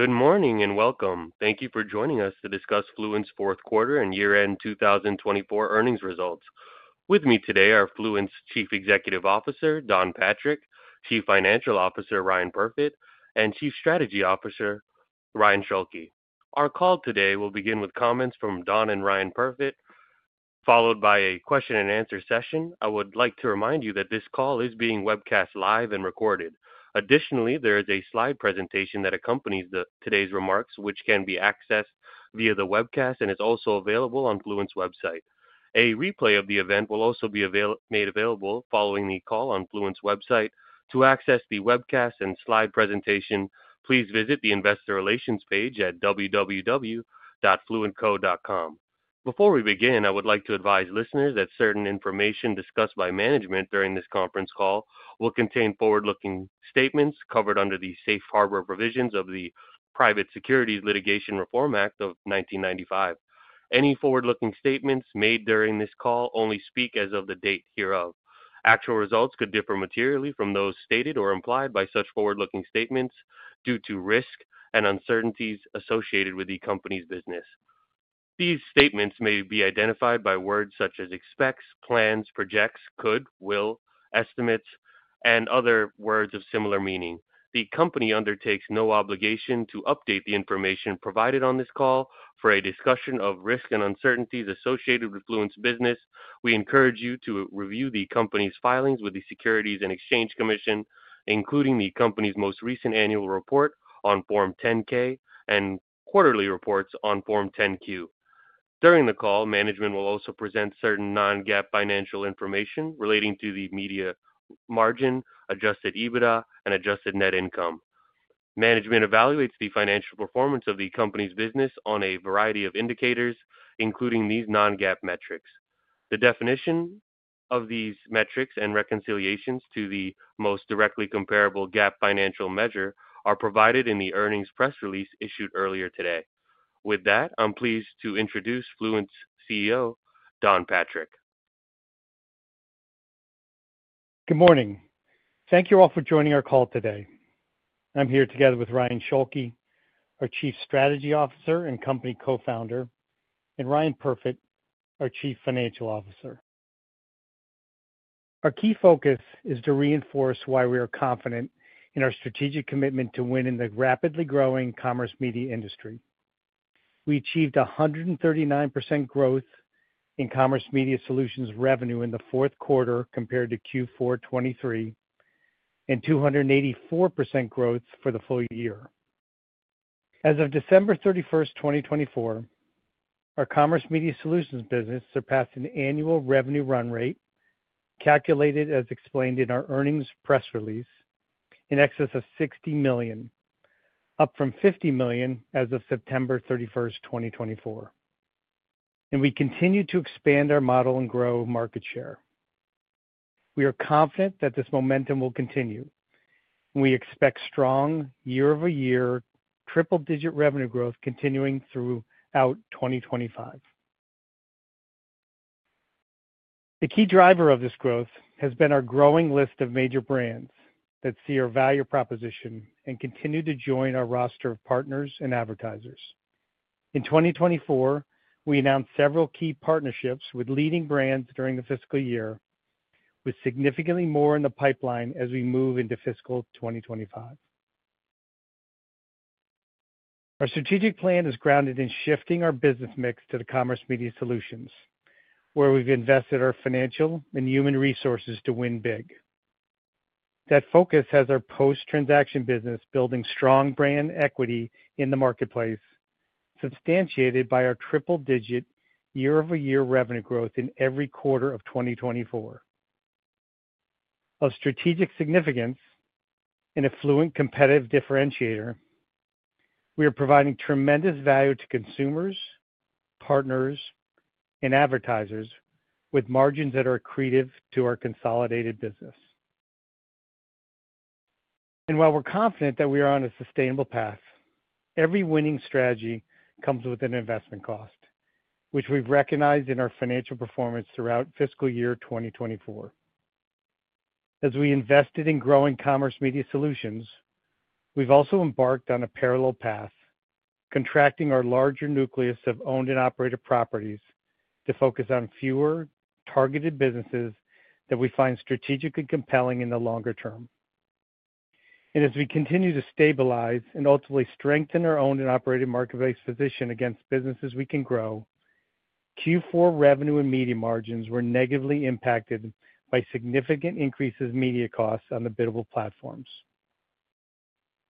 Good morning and welcome. Thank you for joining us to discuss Fluent's fourth quarter and year-end 2024 earnings results. With me today are Fluent's Chief Executive Officer, Don Patrick; Chief Financial Officer, Ryan Perfit; and Chief Strategy Officer, Ryan Schulke. Our call today will begin with comments from Don and Ryan Perfit, followed by a question-and-answer session. I would like to remind you that this call is being webcast live and recorded. Additionally, there is a slide presentation that accompanies today's remarks, which can be accessed via the webcast and is also available on Fluent's website. A replay of the event will also be made available following the call on Fluent's website. To access the webcast and slide presentation, please visit the Investor Relations page at www.fluentco.com. Before we begin, I would like to advise listeners that certain information discussed by management during this conference call will contain forward-looking statements covered under the Safe Harbor Provisions of the Private Securities Litigation Reform Act of 1995. Any forward-looking statements made during this call only speak as of the date hereof. Actual results could differ materially from those stated or implied by such forward-looking statements due to risk and uncertainties associated with the company's business. These statements may be identified by words such as expects, plans, projects, could, will, estimates, and other words of similar meaning. The company undertakes no obligation to update the information provided on this call. For a discussion of risk and uncertainties associated with Fluent's business, we encourage you to review the company's filings with the Securities and Exchange Commission, including the company's most recent annual report on Form 10-K and quarterly reports on Form 10-Q. During the call, management will also present certain non-GAAP financial information relating to the Media Margin, adjusted EBITDA, and adjusted net income. Management evaluates the financial performance of the company's business on a variety of indicators, including these non-GAAP metrics. The definition of these metrics and reconciliations to the most directly comparable GAAP financial measure are provided in the earnings press release issued earlier today. With that, I'm pleased to introduce Fluent's CEO, Don Patrick. Good morning. Thank you all for joining our call today. I'm here together with Ryan Schulke, our Chief Strategy Officer and company co-founder, and Ryan Perfit, our Chief Financial Officer. Our key focus is to reinforce why we are confident in our strategic commitment to win in the rapidly growing commerce media industry. We achieved 139% growth in Commerce Media Solutions revenue in the fourth quarter compared to Q4 2023, and 284% growth for the full year. As of December 31st, 2024, our Commerce Media Solutions business surpassed an annual revenue run rate calculated, as explained in our earnings press release, in excess of $60 million, up from $50 million as of September 31st, 2024. We continue to expand our model and grow market share. We are confident that this momentum will continue, and we expect strong year-over-year triple-digit revenue growth continuing throughout 2025. The key driver of this growth has been our growing list of major brands that see our value proposition and continue to join our roster of partners and advertisers. In 2024, we announced several key partnerships with leading brands during the fiscal year, with significantly more in the pipeline as we move into fiscal 2025. Our strategic plan is grounded in shifting our business mix to the Commerce Media Solutions, where we've invested our financial and human resources to win big. That focus has our post-transaction business building strong brand equity in the marketplace, substantiated by our triple-digit year-over-year revenue growth in every quarter of 2024. Of strategic significance and a Fluent competitive differentiator, we are providing tremendous value to consumers, partners, and advertisers with margins that are accretive to our consolidated business. While we're confident that we are on a sustainable path, every winning strategy comes with an investment cost, which we've recognized in our financial performance throughout fiscal year 2024. As we invested in growing Commerce Media Solutions, we've also embarked on a parallel path, contracting our larger nucleus of owned and operated properties to focus on fewer targeted businesses that we find strategically compelling in the longer term. As we continue to stabilize and ultimately strengthen our Owned and Operated Marketplace position against businesses we can grow, Q4 revenue and Media Margins were negatively impacted by significant increases in media costs on the biddable platforms.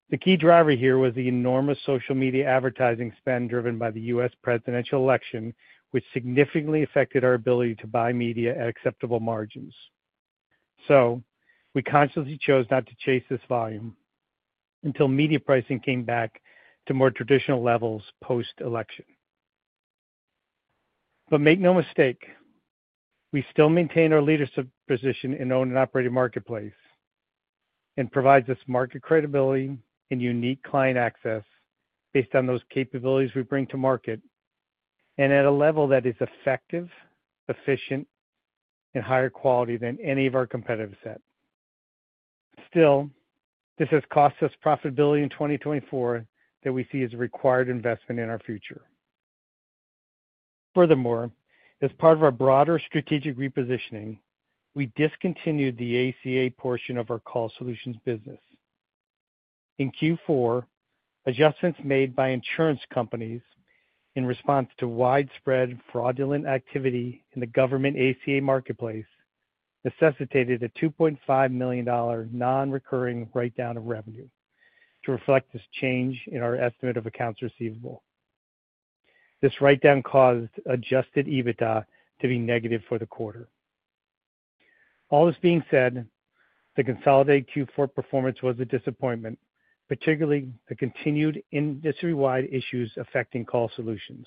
The key driver here was the enormous social media advertising spend driven by the U.S. presidential election, which significantly affected our ability to buy media at acceptable margins. We consciously chose not to chase this volume until media pricing came back to more traditional levels post-election. Make no mistake, we still maintain our leadership position in owned and operated marketplace and provide this market credibility and unique client access based on those capabilities we bring to market and at a level that is effective, efficient, and higher quality than any of our competitive set. Still, this has cost us profitability in 2024 that we see as a required investment in our future. Furthermore, as part of our broader strategic repositioning, we discontinued the ACA portion of our Call Solutions business. In Q4, adjustments made by insurance companies in response to widespread fraudulent activity in the government ACA marketplace necessitated a $2.5 million non-recurring write-down of revenue to reflect this change in our estimate of accounts receivable. This write-down caused adjusted EBITDA to be negative for the quarter. All this being said, the consolidated Q4 performance was a disappointment, particularly the continued industry-wide issues affecting Call Solutions.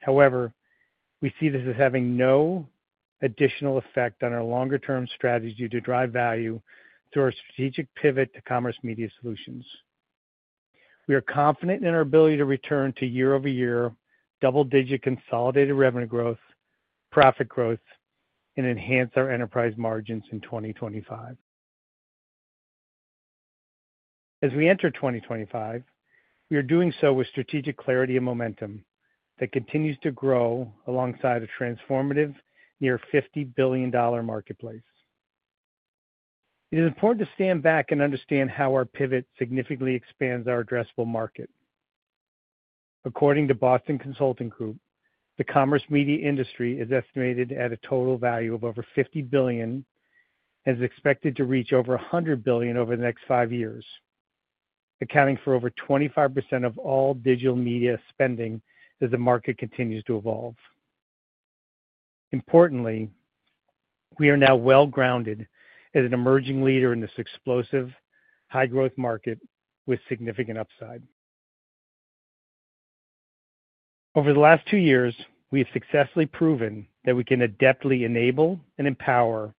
However, we see this as having no additional effect on our longer-term strategy to drive value through our strategic pivot to Commerce Media Solutions. We are confident in our ability to return to year-over-year double-digit consolidated revenue growth, profit growth, and enhance our enterprise margins in 2025. As we enter 2025, we are doing so with strategic clarity and momentum that continues to grow alongside a transformative near $50 billion marketplace. It is important to stand back and understand how our pivot significantly expands our addressable market. According to Boston Consulting Group, the commerce media industry is estimated at a total value of over $50 billion and is expected to reach over $100 billion over the next five years, accounting for over 25% of all digital media spending as the market continues to evolve. Importantly, we are now well grounded as an emerging leader in this explosive, high-growth market with significant upside. Over the last two years, we have successfully proven that we can adeptly enable and empower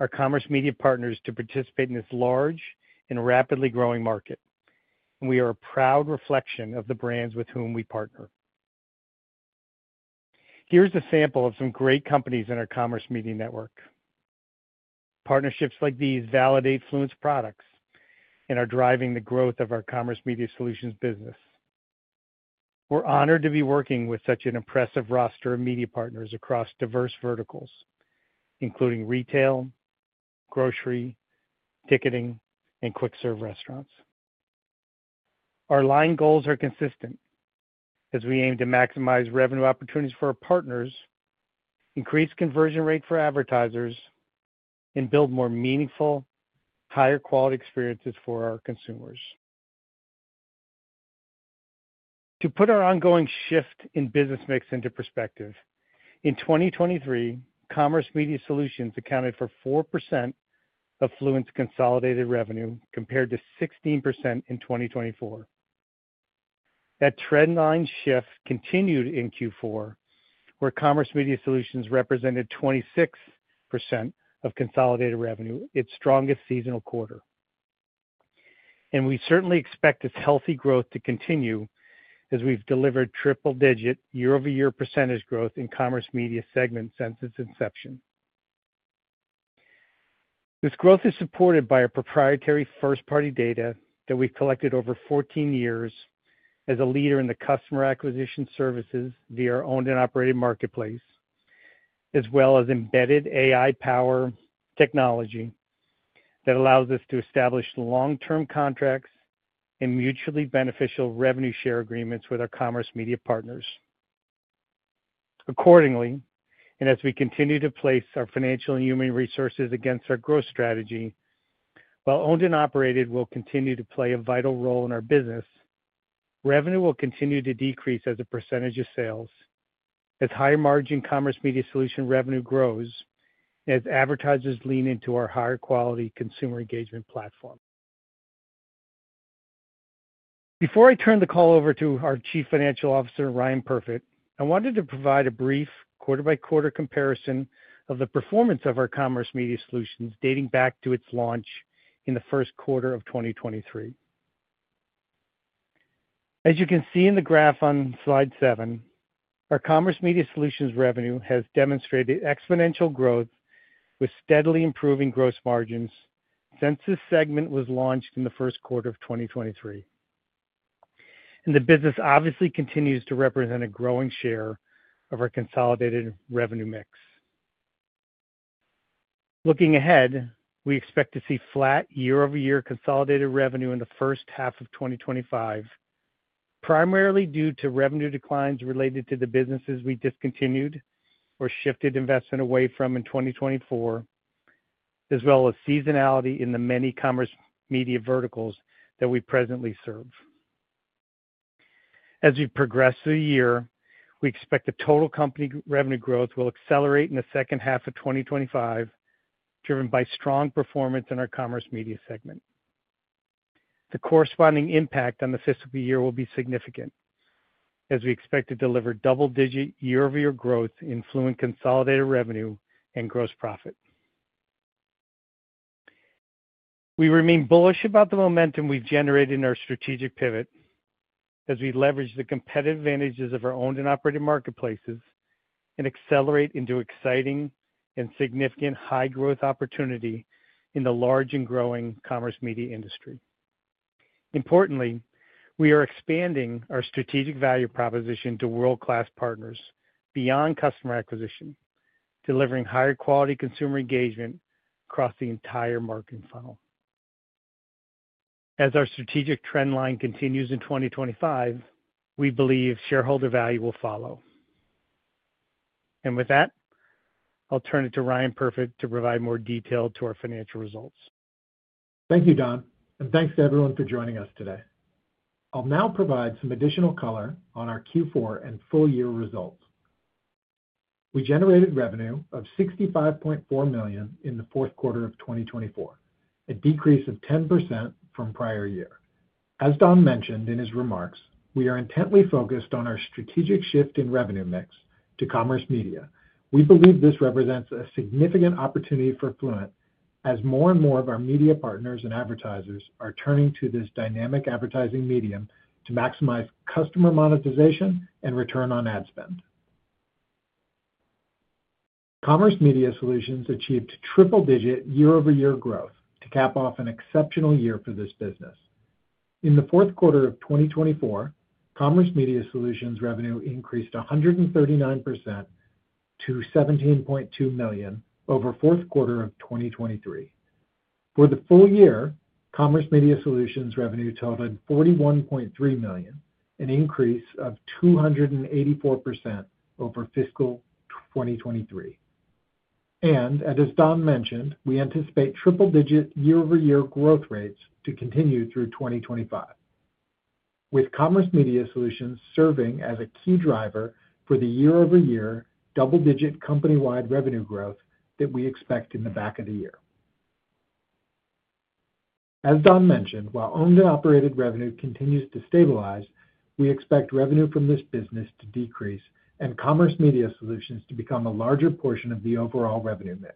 our commerce media partners to participate in this large and rapidly growing market, and we are a proud reflection of the brands with whom we partner. Here's a sample of some great companies in our commerce media network. Partnerships like these validate Fluent's products and are driving the growth of our commerce media solutions business. We're honored to be working with such an impressive roster of media partners across diverse verticals, including retail, grocery, ticketing, and quick-serve restaurants. Our line goals are consistent as we aim to maximize revenue opportunities for our partners, increase conversion rates for advertisers, and build more meaningful, higher-quality experiences for our consumers. To put our ongoing shift in business mix into perspective, in 2023, Commerce Media Solutions accounted for 4% of Fluent's consolidated revenue compared to 16% in 2024. That trendline shift continued in Q4, where Commerce Media Solutions represented 26% of consolidated revenue, its strongest seasonal quarter. We certainly expect this healthy growth to continue as we've delivered triple-digit year-over-year percentage growth in Commerce Media segments since its inception. This growth is supported by our proprietary first-party data that we've collected over 14 years as a leader in customer acquisition services via our Owned and Operated Marketplace, as well as embedded AI-powered technology that allows us to establish long-term contracts and mutually beneficial revenue share agreements with our commerce media partners. Accordingly, and as we continue to place our financial and human resources against our growth strategy, while Owned and Operated will continue to play a vital role in our business, revenue will continue to decrease as a percentage of sales as higher-margin Commerce Media Solutions revenue grows and as advertisers lean into our higher-quality consumer engagement platform. Before I turn the call over to our Chief Financial Officer, Ryan Perfit, I wanted to provide a brief quarter-by-quarter comparison of the performance of our Commerce Media Solutions dating back to its launch in the first quarter of 2023. As you can see in the graph on slide seven, our Commerce Media Solutions revenue has demonstrated exponential growth with steadily improving gross margins since this segment was launched in the first quarter of 2023. The business obviously continues to represent a growing share of our consolidated revenue mix. Looking ahead, we expect to see flat year-over-year consolidated revenue in the first half of 2025, primarily due to revenue declines related to the businesses we discontinued or shifted investment away from in 2024, as well as seasonality in the many commerce media verticals that we presently serve. As we progress through the year, we expect the total company revenue growth will accelerate in the second half of 2025, driven by strong performance in our commerce media segment. The corresponding impact on the fiscal year will be significant, as we expect to deliver double-digit year-over-year growth in Fluent consolidated revenue and gross profit. We remain bullish about the momentum we have generated in our strategic pivot as we leverage the competitive advantages of our owned and operated marketplaces and accelerate into exciting and significant high-growth opportunity in the large and growing commerce media industry. Importantly, we are expanding our strategic value proposition to world-class partners beyond customer acquisition, delivering higher-quality consumer engagement across the entire marketing funnel. As our strategic trendline continues in 2025, we believe shareholder value will follow. With that, I will turn it to Ryan Perfit to provide more detail to our financial results. Thank you, Don. Thank you to everyone for joining us today. I'll now provide some additional color on our Q4 and full-year results. We generated revenue of $65.4 million in the fourth quarter of 2024, a decrease of 10% from prior year. As Don mentioned in his remarks, we are intently focused on our strategic shift in revenue mix to commerce media. We believe this represents a significant opportunity for Fluent, as more and more of our media partners and advertisers are turning to this dynamic advertising medium to maximize customer monetization and return on ad spend. Commerce Media Solutions achieved triple-digit year-over-year growth to cap off an exceptional year for this business. In the fourth quarter of 2024, Commerce Media Solutions revenue increased 139% to $17.2 million over the fourth quarter of 2023. For the full year, Commerce Media Solutions revenue totaled $41.3 million, an increase of 284% over fiscal 2023. As Don mentioned, we anticipate triple-digit year-over-year growth rates to continue through 2025, with Commerce Media Solutions serving as a key driver for the year-over-year double-digit company-wide revenue growth that we expect in the back of the year. As Don mentioned, while Owned and Operated revenue continues to stabilize, we expect revenue from this business to decrease and Commerce Media Solutions to become a larger portion of the overall revenue mix.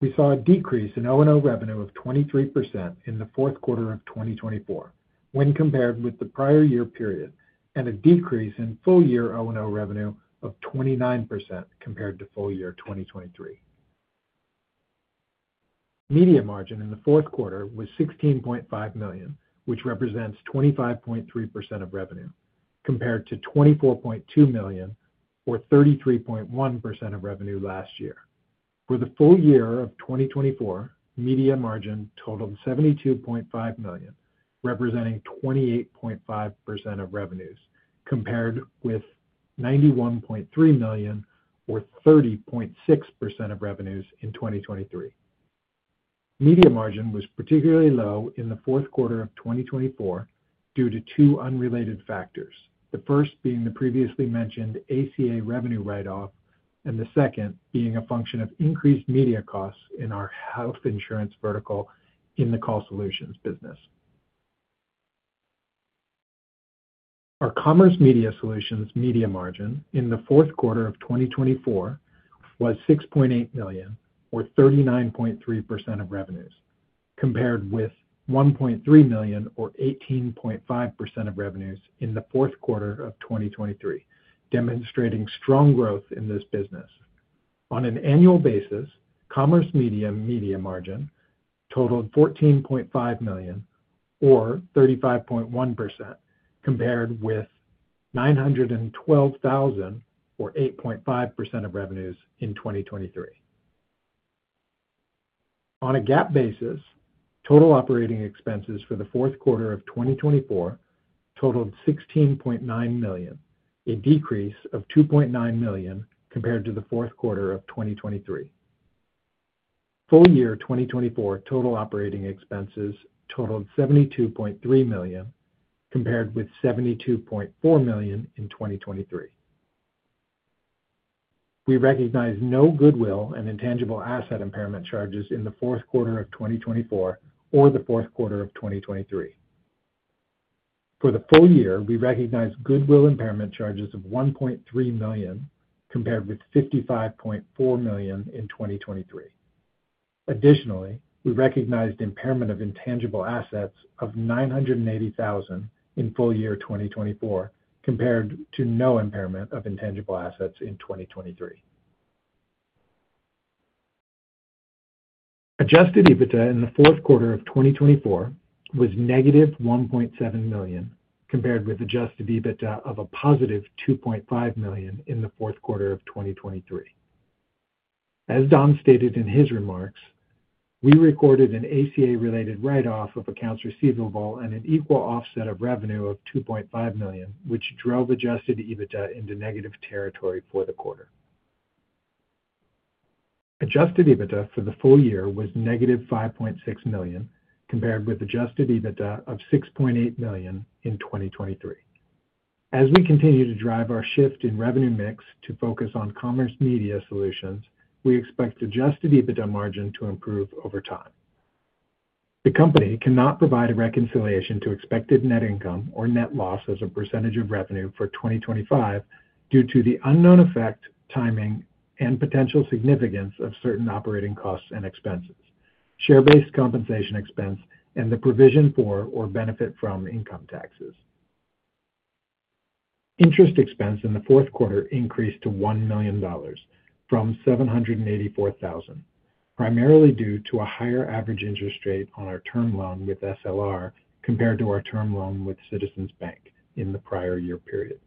We saw a decrease in O&O revenue of 23% in the fourth quarter of 2024 when compared with the prior year period, and a decrease in full-year O&O revenue of 29% compared to full-year 2023. Media Margin in the fourth quarter was $16.5 million, which represents 25.3% of revenue, compared to $24.2 million or 33.1% of revenue last year. For the full year of 2024, Media Margin totaled $72.5 million, representing 28.5% of revenues, compared with $91.3 million or 30.6% of revenues in 2023. Media Margin was particularly low in the fourth quarter of 2024 due to two unrelated factors, the first being the previously mentioned ACA revenue write-off and the second being a function of increased media costs in our health insurance vertical in the Call Solutions business. Our Commerce Media Solutions Media Margin in the fourth quarter of 2024 was $6.8 million or 39.3% of revenues, compared with $1.3 million or 18.5% of revenues in the fourth quarter of 2023, demonstrating strong growth in this business. On an annual basis, Commerce Media Solutions Media Margin totaled $14.5 million or 35.1%, compared with $912,000 or 8.5% of revenues in 2023. On a GAAP basis, total operating expenses for the fourth quarter of 2024 totaled $16.9 million, a decrease of $2.9 million compared to the fourth quarter of 2023. Full year 2024 total operating expenses totaled $72.3 million, compared with $72.4 million in 2023. We recognize no goodwill and intangible asset impairment charges in the fourth quarter of 2024 or the fourth quarter of 2023. For the full year, we recognized goodwill impairment charges of $1.3 million, compared with $55.4 million in 2023. Additionally, we recognized impairment of intangible assets of $980,000 in full year 2024, compared to no impairment of intangible assets in 2023. Adjusted EBITDA in the fourth quarter of 2024 was -$1.7 million, compared with adjusted EBITDA of a +$2.5 million in the fourth quarter of 2023. As Don stated in his remarks, we recorded an ACA-related write-off of accounts receivable and an equal offset of revenue of $2.5 million, which drove adjusted EBITDA into negative territory for the quarter. Adjusted EBITDA for the full year was -$5.6 million, compared with adjusted EBITDA of $6.8 million in 2023. As we continue to drive our shift in revenue mix to focus on Commerce Media Solutions, we expect adjusted EBITDA margin to improve over time. The company cannot provide a reconciliation to expected net income or net loss as a percentage of revenue for 2025 due to the unknown effect, timing, and potential significance of certain operating costs and expenses, share-based compensation expense, and the provision for or benefit from income taxes. Interest expense in the fourth quarter increased to $1 million from $784,000, primarily due to a higher average interest rate on our term loan with SLR Credit Solutions compared to our term loan with Citizens Bank in the prior year period.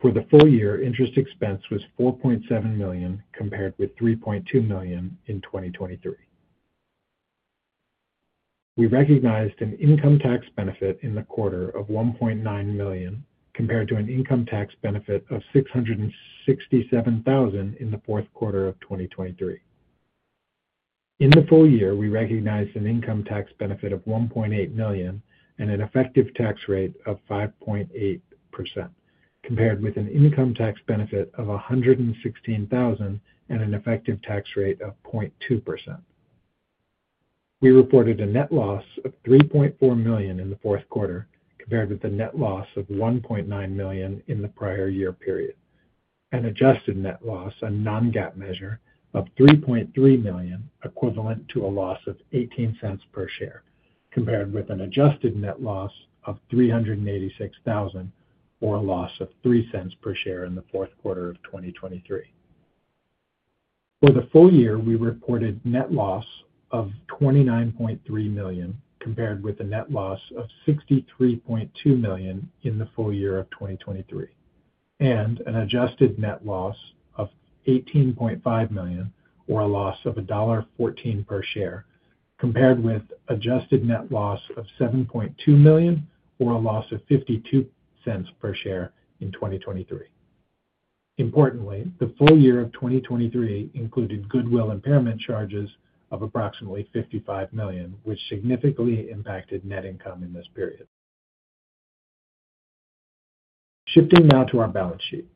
For the full year, interest expense was $4.7 million compared with $3.2 million in 2023. We recognized an income tax benefit in the quarter of $1.9 million compared to an income tax benefit of $667,000 in the fourth quarter of 2023. In the full year, we recognized an income tax benefit of $1.8 million and an effective tax rate of 5.8%, compared with an income tax benefit of $116,000 and an effective tax rate of 0.2%. We reported a net loss of $3.4 million in the fourth quarter compared with a net loss of $1.9 million in the prior year period, an adjusted net loss, a non-GAAP measure, of $3.3 million equivalent to a loss of $0.18 per share, compared with an adjusted net loss of $386,000 or a loss of $0.03 per share in the fourth quarter of 2023. For the full year, we reported net loss of $29.3 million compared with a net loss of $63.2 million in the full year of 2023, and an adjusted net loss of $18.5 million or a loss of $1.14 per share, compared with adjusted net loss of $7.2 million or a loss of $0.52 per share in 2023. Importantly, the full year of 2023 included goodwill impairment charges of approximately $55 million, which significantly impacted net income in this period. Shifting now to our balance sheet,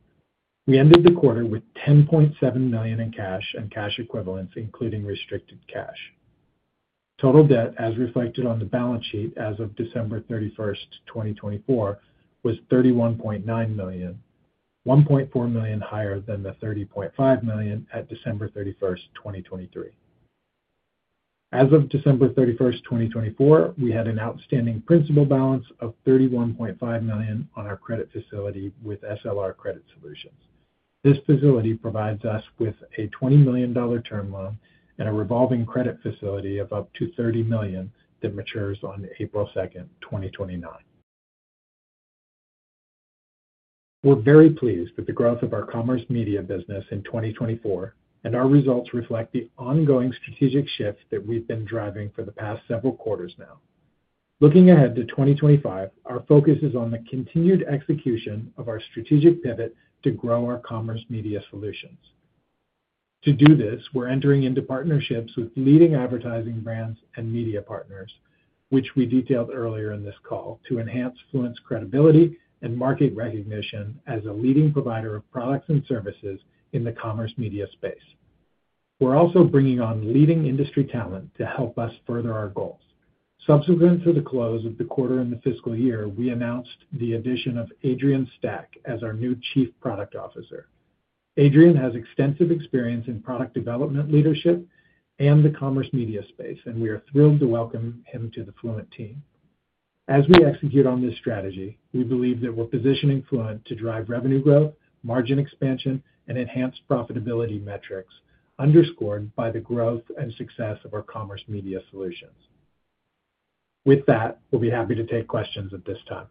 we ended the quarter with $10.7 million in cash and cash equivalents, including restricted cash. Total debt, as reflected on the balance sheet as of December 31st, 2024, was $31.9 million, $1.4 million higher than the $30.5 million at December 31st, 2023. As of December 31st, 2024, we had an outstanding principal balance of $31.5 million on our credit facility with SLR Credit Solutions. This facility provides us with a $20 million term loan and a revolving credit facility of up to $30 million that matures on April 2nd, 2029. We're very pleased with the growth of our commerce media business in 2024, and our results reflect the ongoing strategic shift that we've been driving for the past several quarters now. Looking ahead to 2025, our focus is on the continued execution of our strategic pivot to grow our commerce media solutions. To do this, we're entering into partnerships with leading advertising brands and media partners, which we detailed earlier in this call, to enhance Fluent's credibility and market recognition as a leading provider of products and services in the commerce media space. We're also bringing on leading industry talent to help us further our goals. Subsequent to the close of the quarter in the fiscal year, we announced the addition of Adrian Stack as our new Chief Product Officer. Adrian has extensive experience in product development leadership and the commerce media space, and we are thrilled to welcome him to the Fluent team. As we execute on this strategy, we believe that we're positioning Fluent to drive revenue growth, margin expansion, and enhanced profitability metrics underscored by the growth and success of our commerce media solutions. With that, we'll be happy to take questions at this time.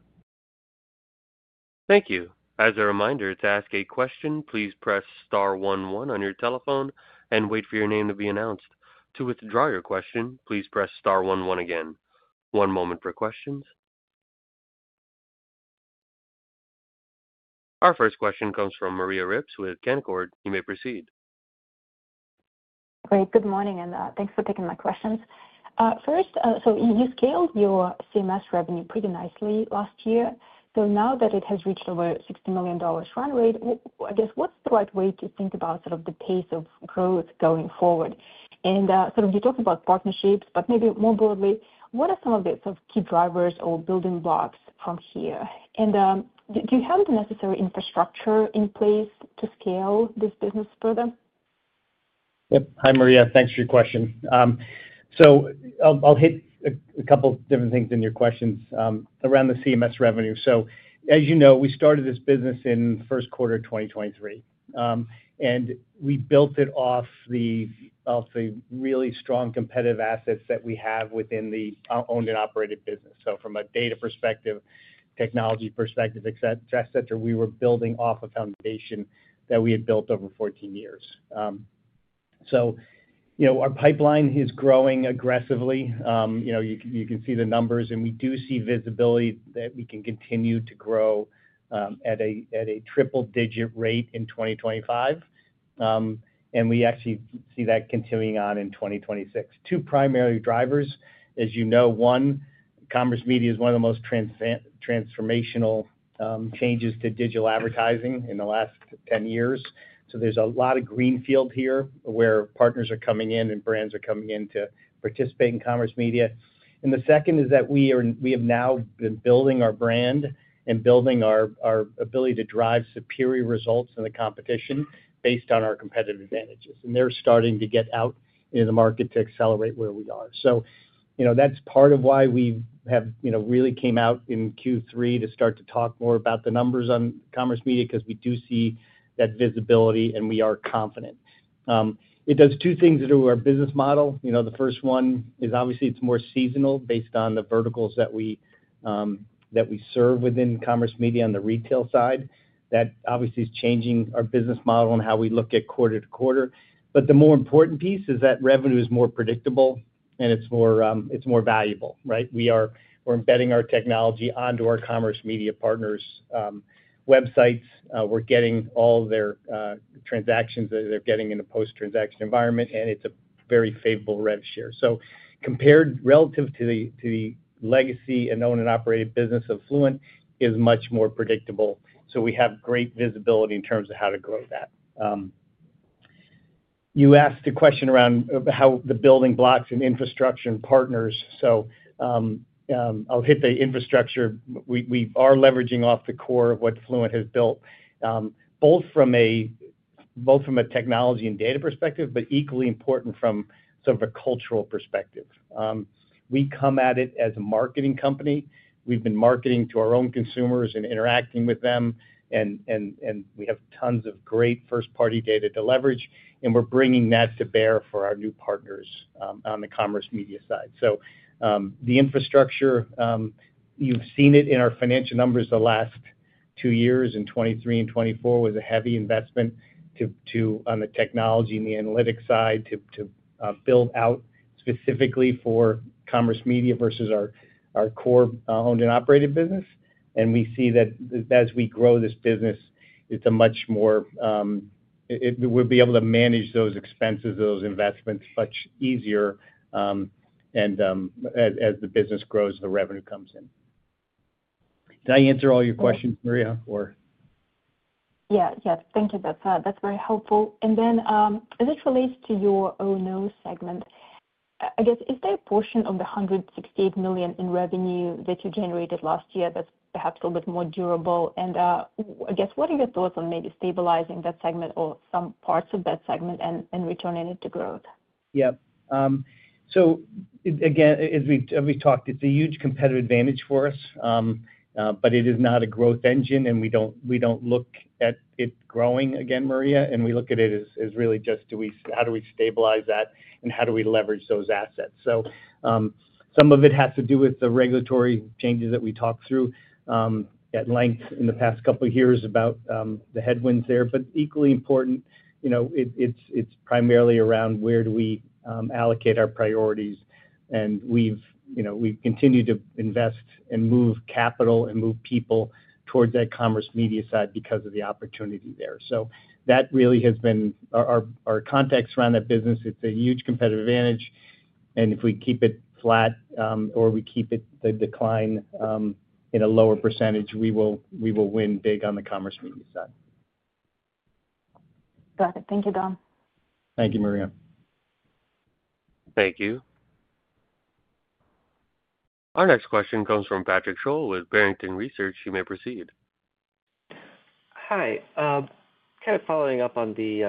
Thank you. As a reminder, to ask a question, please press star one oneon your telephone and wait for your name to be announced. To withdraw your question, please press star one one again. One moment for questions. Our first question comes from Maria Ripps with Canaccord. You may proceed. Great. Good morning, and thanks for taking my questions. First, you scaled your CMS revenue pretty nicely last year. Now that it has reached over $60 million run rate, what's the right way to think about sort of the pace of growth going forward? You talked about partnerships, but maybe more broadly, what are some of the sort of key drivers or building blocks from here? Do you have the necessary infrastructure in place to scale this business further? Yep. Hi, Maria. Thanks for your question. I'll hit a couple of different things in your questions around the CMS revenue. As you know, we started this business in the first quarter of 2023, and we built it off the really strong competitive assets that we have within the owned and operated business. From a data perspective, technology perspective, etc., we were building off a foundation that we had built over 14 years. Our pipeline is growing aggressively. You can see the numbers, and we do see visibility that we can continue to grow at a triple-digit rate in 2025, and we actually see that continuing on in 2026. Two primary drivers, as you know, one, commerce media is one of the most transformational changes to digital advertising in the last 10 years. There is a lot of greenfield here where partners are coming in and brands are coming in to participate in commerce media. The second is that we have now been building our brand and building our ability to drive superior results in the competition based on our competitive advantages. They are starting to get out into the market to accelerate where we are. That is part of why we really came out in Q3 to start to talk more about the numbers on commerce media because we do see that visibility, and we are confident. It does two things that are our business model. The first one is obviously it is more seasonal based on the verticals that we serve within commerce media on the retail side. That obviously is changing our business model and how we look at quarter to quarter. The more important piece is that revenue is more predictable, and it's more valuable, right? We are embedding our technology onto our commerce media partners' websites. We're getting all their transactions that they're getting in a post-transaction environment, and it's a very favorable rev share. Compared relative to the legacy and owned and operated business of Fluent, it is much more predictable. We have great visibility in terms of how to grow that. You asked a question around how the building blocks and infrastructure and partners. I'll hit the infrastructure. We are leveraging off the core of what Fluent has built, both from a technology and data perspective, but equally important from sort of a cultural perspective. We come at it as a marketing company. We've been marketing to our own consumers and interacting with them, and we have tons of great first-party data to leverage, and we're bringing that to bear for our new partners on the commerce media side. The infrastructure, you've seen it in our financial numbers the last two years in 2023 and 2024, was a heavy investment on the technology and the analytics side to build out specifically for commerce media versus our core owned and operated business. We see that as we grow this business, it's a much more we'll be able to manage those expenses, those investments much easier, and as the business grows, the revenue comes in. Did I answer all your questions, Maria, or? Yeah. Yeah. Thank you. That's very helpful. As it relates to your O&O segment, I guess, is there a portion of the $168 million in revenue that you generated last year that's perhaps a little bit more durable? I guess, what are your thoughts on maybe stabilizing that segment or some parts of that segment and returning it to growth? Yep. As we talked, it's a huge competitive advantage for us, but it is not a growth engine, and we don't look at it growing again, Maria. We look at it as really just how do we stabilize that, and how do we leverage those assets? Some of it has to do with the regulatory changes that we talked through at length in the past couple of years about the headwinds there. Equally important, it's primarily around where do we allocate our priorities. We've continued to invest and move capital and move people towards that commerce media side because of the opportunity there. That really has been our context around that business. It's a huge competitive advantage. If we keep it flat or we keep the decline in a lower percentage, we will win big on the commerce media side. Got it. Thank you, Don. Thank you, Maria. Thank you. Our next question comes from Patrick Scholl with Barrington Research. You may proceed. Hi. Kind of following up on the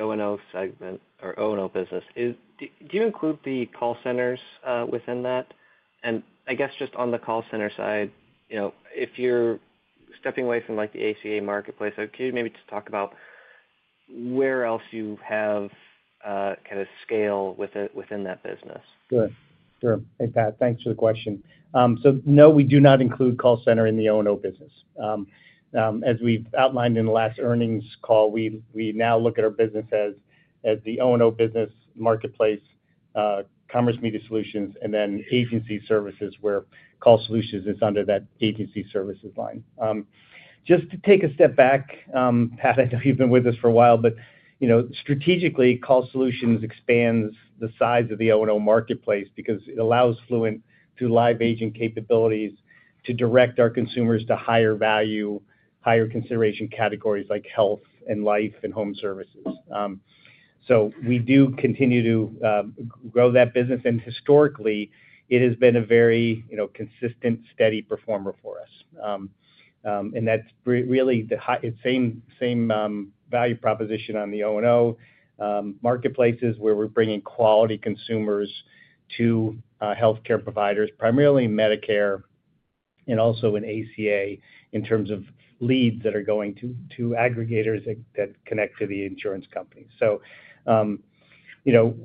O&O segment or O&O business, do you include the call centers within that? I guess just on the call center side, if you're stepping away from the ACA marketplace, could you maybe just talk about where else you have kind of scale within that business? Sure. Sure. Thanks for the question. No, we do not include call center in the O&O business. As we've outlined in the last earnings call, we now look at our business as the O&O business marketplace, commerce media solutions, and then agency services where call solutions is under that agency services line. Just to take a step back, Pat, I know you've been with us for a while, but strategically, call solutions expands the size of the O&O marketplace because it allows Fluent through live agent capabilities to direct our consumers to higher value, higher consideration categories like health and life and home services. We do continue to grow that business. Historically, it has been a very consistent, steady performer for us. That's really the same value proposition on the O&O marketplaces where we're bringing quality consumers to healthcare providers, primarily Medicare and also an ACA in terms of leads that are going to aggregators that connect to the insurance companies.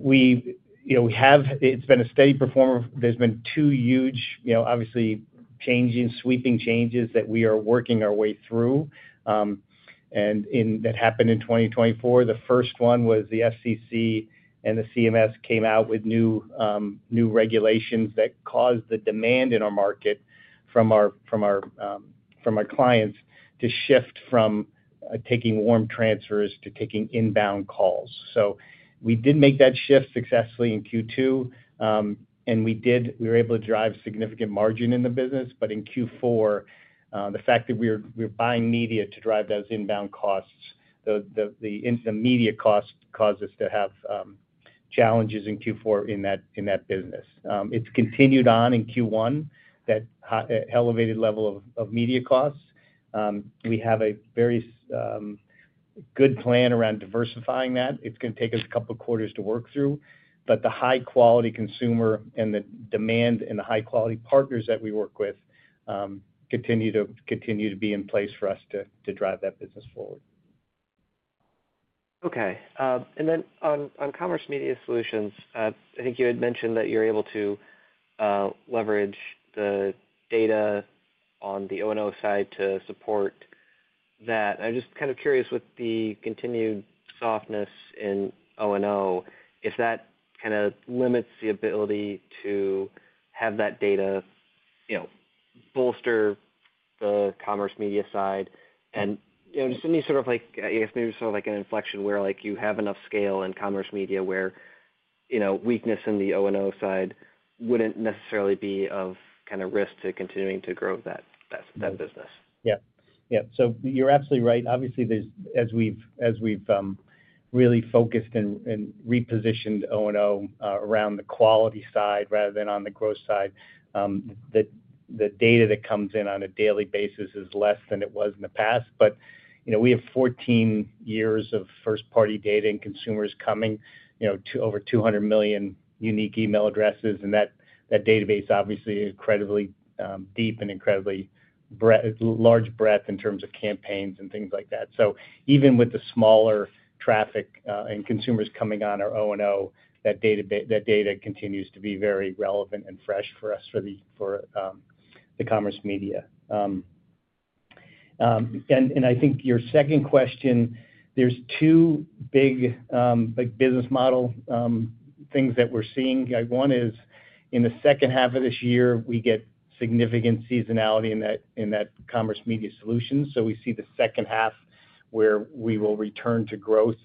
We have, it's been a steady performer. There have been two huge, obviously changing, sweeping changes that we are working our way through that happened in 2024. The first one was the FCC and the CMS came out with new regulations that caused the demand in our market from our clients to shift from taking warm transfers to taking inbound calls. We did make that shift successfully in Q2, and we were able to drive significant margin in the business. In Q4, the fact that we were buying media to drive those inbound calls, the media costs caused us to have challenges in Q4 in that business. It's continued on in Q1, that elevated level of media costs. We have a very good plan around diversifying that. It's going to take us a couple of quarters to work through. The high-quality consumer and the demand and the high-quality partners that we work with continue to be in place for us to drive that business forward. Okay. On commerce media solutions, I think you had mentioned that you're able to leverage the data on the O&O side to support that. I'm just kind of curious with the continued softness in O&O, if that kind of limits the ability to have that data bolster the commerce media side and just any sort of, I guess, maybe sort of like an inflection where you have enough scale in commerce media where weakness in the O&O side wouldn't necessarily be of kind of risk to continuing to grow that business. Yeah. Yeah. So you're absolutely right. Obviously, as we've really focused and repositioned O&O around the quality side rather than on the growth side, the data that comes in on a daily basis is less than it was in the past. But we have 14 years of first-party data and consumers coming to over 200 million unique email addresses. And that database is obviously incredibly deep and incredibly large breadth in terms of campaigns and things like that. Even with the smaller traffic and consumers coming on our O&O, that data continues to be very relevant and fresh for us for the commerce media. I think your second question, there's two big business model things that we're seeing. One is in the second half of this year, we get significant seasonality in that commerce media solution. We see the second half where we will return to growth,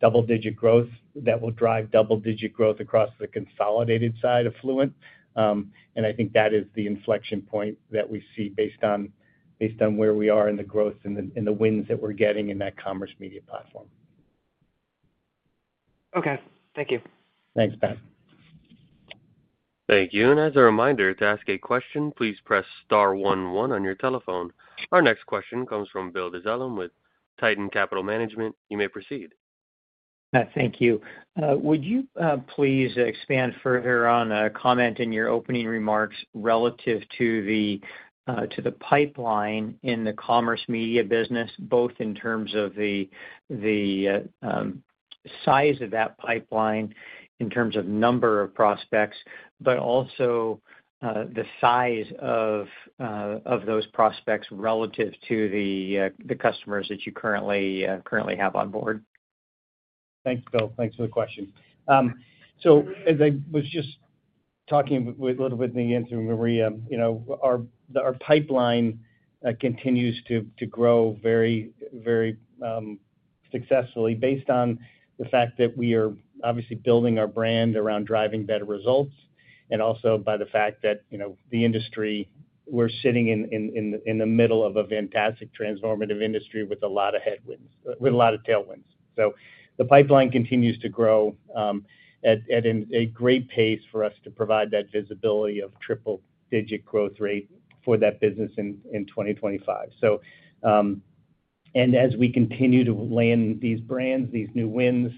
double-digit growth that will drive double-digit growth across the consolidated side of Fluent. I think that is the inflection point that we see based on where we are in the growth and the wins that we're getting in that commerce media platform. Okay. Thank you. Thanks, Pat. Thank you. As a reminder, to ask a question, please press star one one on your telephone. Our next question comes from Bill Dezellem with Tieton Capital Management. You may proceed. Pat, thank you. Would you please expand further on a comment in your opening remarks relative to the pipeline in the commerce media business, both in terms of the size of that pipeline in terms of number of prospects, but also the size of those prospects relative to the customers that you currently have on board? Thanks, Bill. Thanks for the question. As I was just talking a little bit in the interview with Maria, our pipeline continues to grow very successfully based on the fact that we are obviously building our brand around driving better results and also by the fact that the industry, we're sitting in the middle of a fantastic transformative industry with a lot of headwinds, with a lot of tailwinds. The pipeline continues to grow at a great pace for us to provide that visibility of triple-digit growth rate for that business in 2025. As we continue to land these brands, these new wins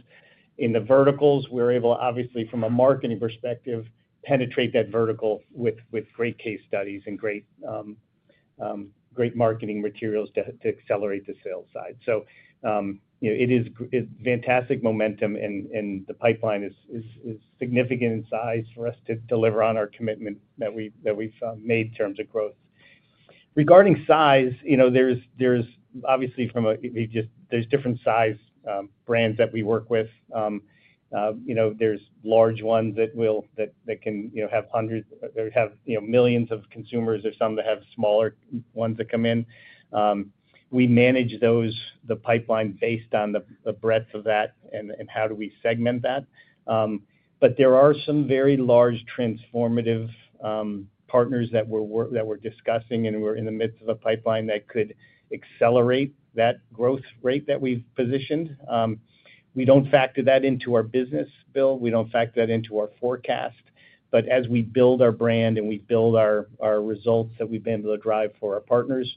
in the verticals, we're able, obviously, from a marketing perspective, to penetrate that vertical with great case studies and great marketing materials to accelerate the sales side. It is fantastic momentum, and the pipeline is significant in size for us to deliver on our commitment that we've made in terms of growth. Regarding size, there's obviously different size brands that we work with. There's large ones that can have hundreds or have millions of consumers. There's some that have smaller ones that come in. We manage the pipeline based on the breadth of that and how do we segment that. There are some very large transformative partners that we're discussing, and we're in the midst of a pipeline that could accelerate that growth rate that we've positioned. We don't factor that into our business, Bill. We don't factor that into our forecast. As we build our brand and we build our results that we've been able to drive for our partners,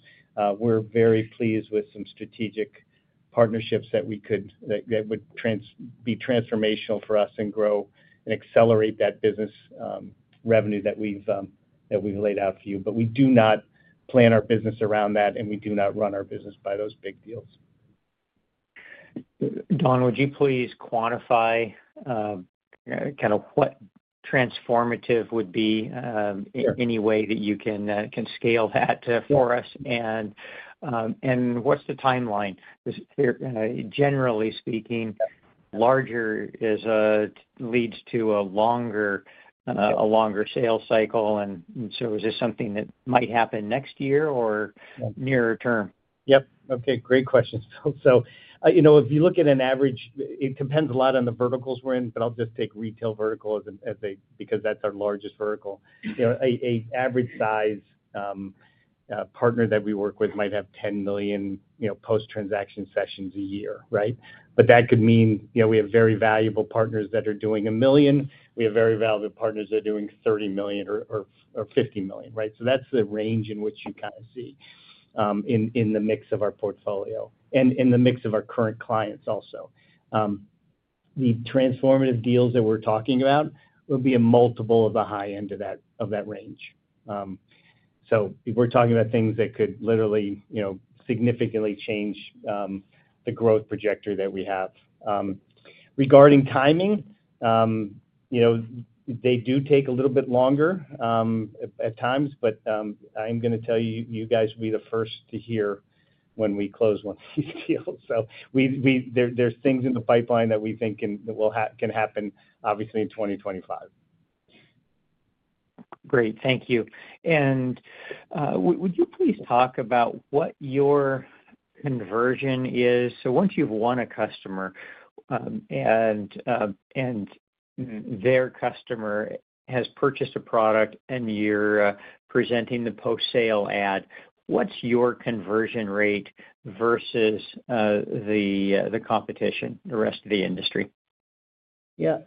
we're very pleased with some strategic partnerships that would be transformational for us and grow and accelerate that business revenue that we've laid out for you. We do not plan our business around that, and we do not run our business by those big deals. Don, would you please quantify kind of what transformative would be any way that you can scale that for us? What's the timeline? Generally speaking, larger leads to a longer sales cycle. Is this something that might happen next year or nearer term? Yep. Okay. Great questions, Bill. If you look at an average, it depends a lot on the verticals we're in, but I'll just take retail verticals because that's our largest vertical. An average-sized partner that we work with might have 10 million post-transaction sessions a year, right? That could mean we have very valuable partners that are doing a million. We have very valuable partners that are doing 30 million or 50 million, right? That's the range in which you kind of see in the mix of our portfolio and in the mix of our current clients also. The transformative deals that we're talking about will be a multiple of the high end of that range. We're talking about things that could literally significantly change the growth projector that we have. Regarding timing, they do take a little bit longer at times, but I'm going to tell you, you guys will be the first to hear when we close one of these deals. There are things in the pipeline that we think can happen, obviously, in 2025. Great. Thank you. Would you please talk about what your conversion is? Once you've won a customer and their customer has purchased a product and you're presenting the post-sale ad, what's your conversion rate versus the competition, the rest of the industry? Yeah.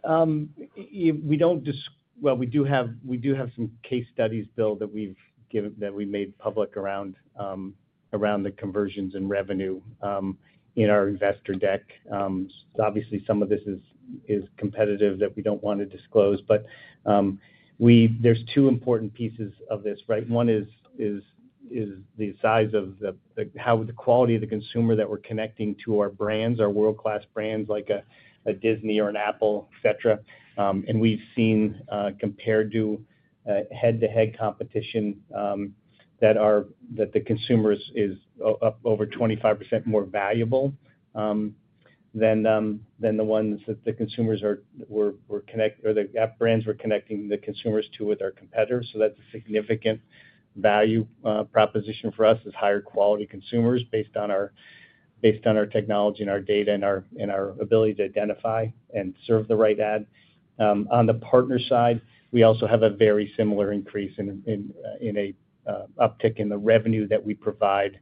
We do have some case studies, Bill, that we've made public around the conversions and revenue in our investor deck. Obviously, some of this is competitive that we don't want to disclose. There are two important pieces of this, right? One is the size of how the quality of the consumer that we're connecting to our brands, our world-class brands like a Disney or an Apple, etc. We've seen compared to head-to-head competition that the consumer is up over 25% more valuable than the ones that the consumers were or the brands were connecting the consumers to with our competitors. That is a significant value proposition for us: higher quality consumers based on our technology and our data and our ability to identify and serve the right ad. On the partner side, we also have a very similar increase in an uptick in the revenue that we provide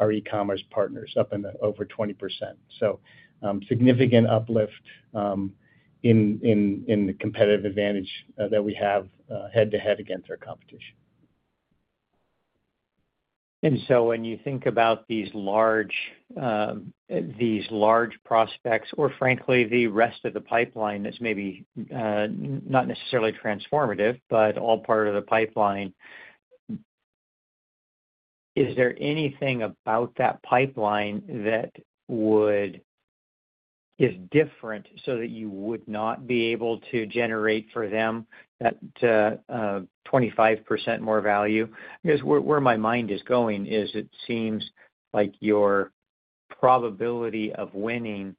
our e-commerce partners, up over 20%. Significant uplift in the competitive advantage that we have head-to-head against our competition. When you think about these large prospects or, frankly, the rest of the pipeline that's maybe not necessarily transformative, but all part of the pipeline, is there anything about that pipeline that is different so that you would not be able to generate for them that 25% more value? Because where my mind is going is it seems like your probability of winning,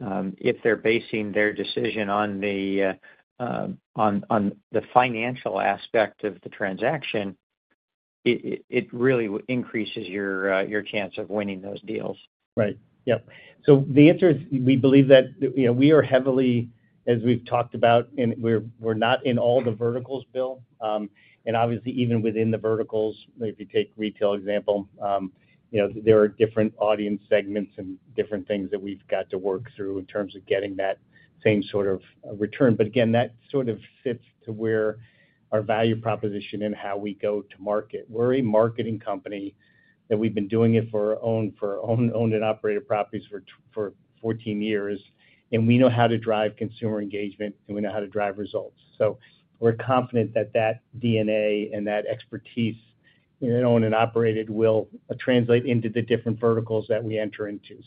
if they're basing their decision on the financial aspect of the transaction, it really increases your chance of winning those deals. Right. Yep. The answer is we believe that we are heavily, as we've talked about, and we're not in all the verticals, Bill. Obviously, even within the verticals, if you take retail example, there are different audience segments and different things that we've got to work through in terms of getting that same sort of return. Again, that sort of sits to where our value proposition and how we go to market. We're a marketing company that we've been doing it for owned and operated properties for 14 years, and we know how to drive consumer engagement, and we know how to drive results. We're confident that that DNA and that expertise in owned and operated will translate into the different verticals that we enter into.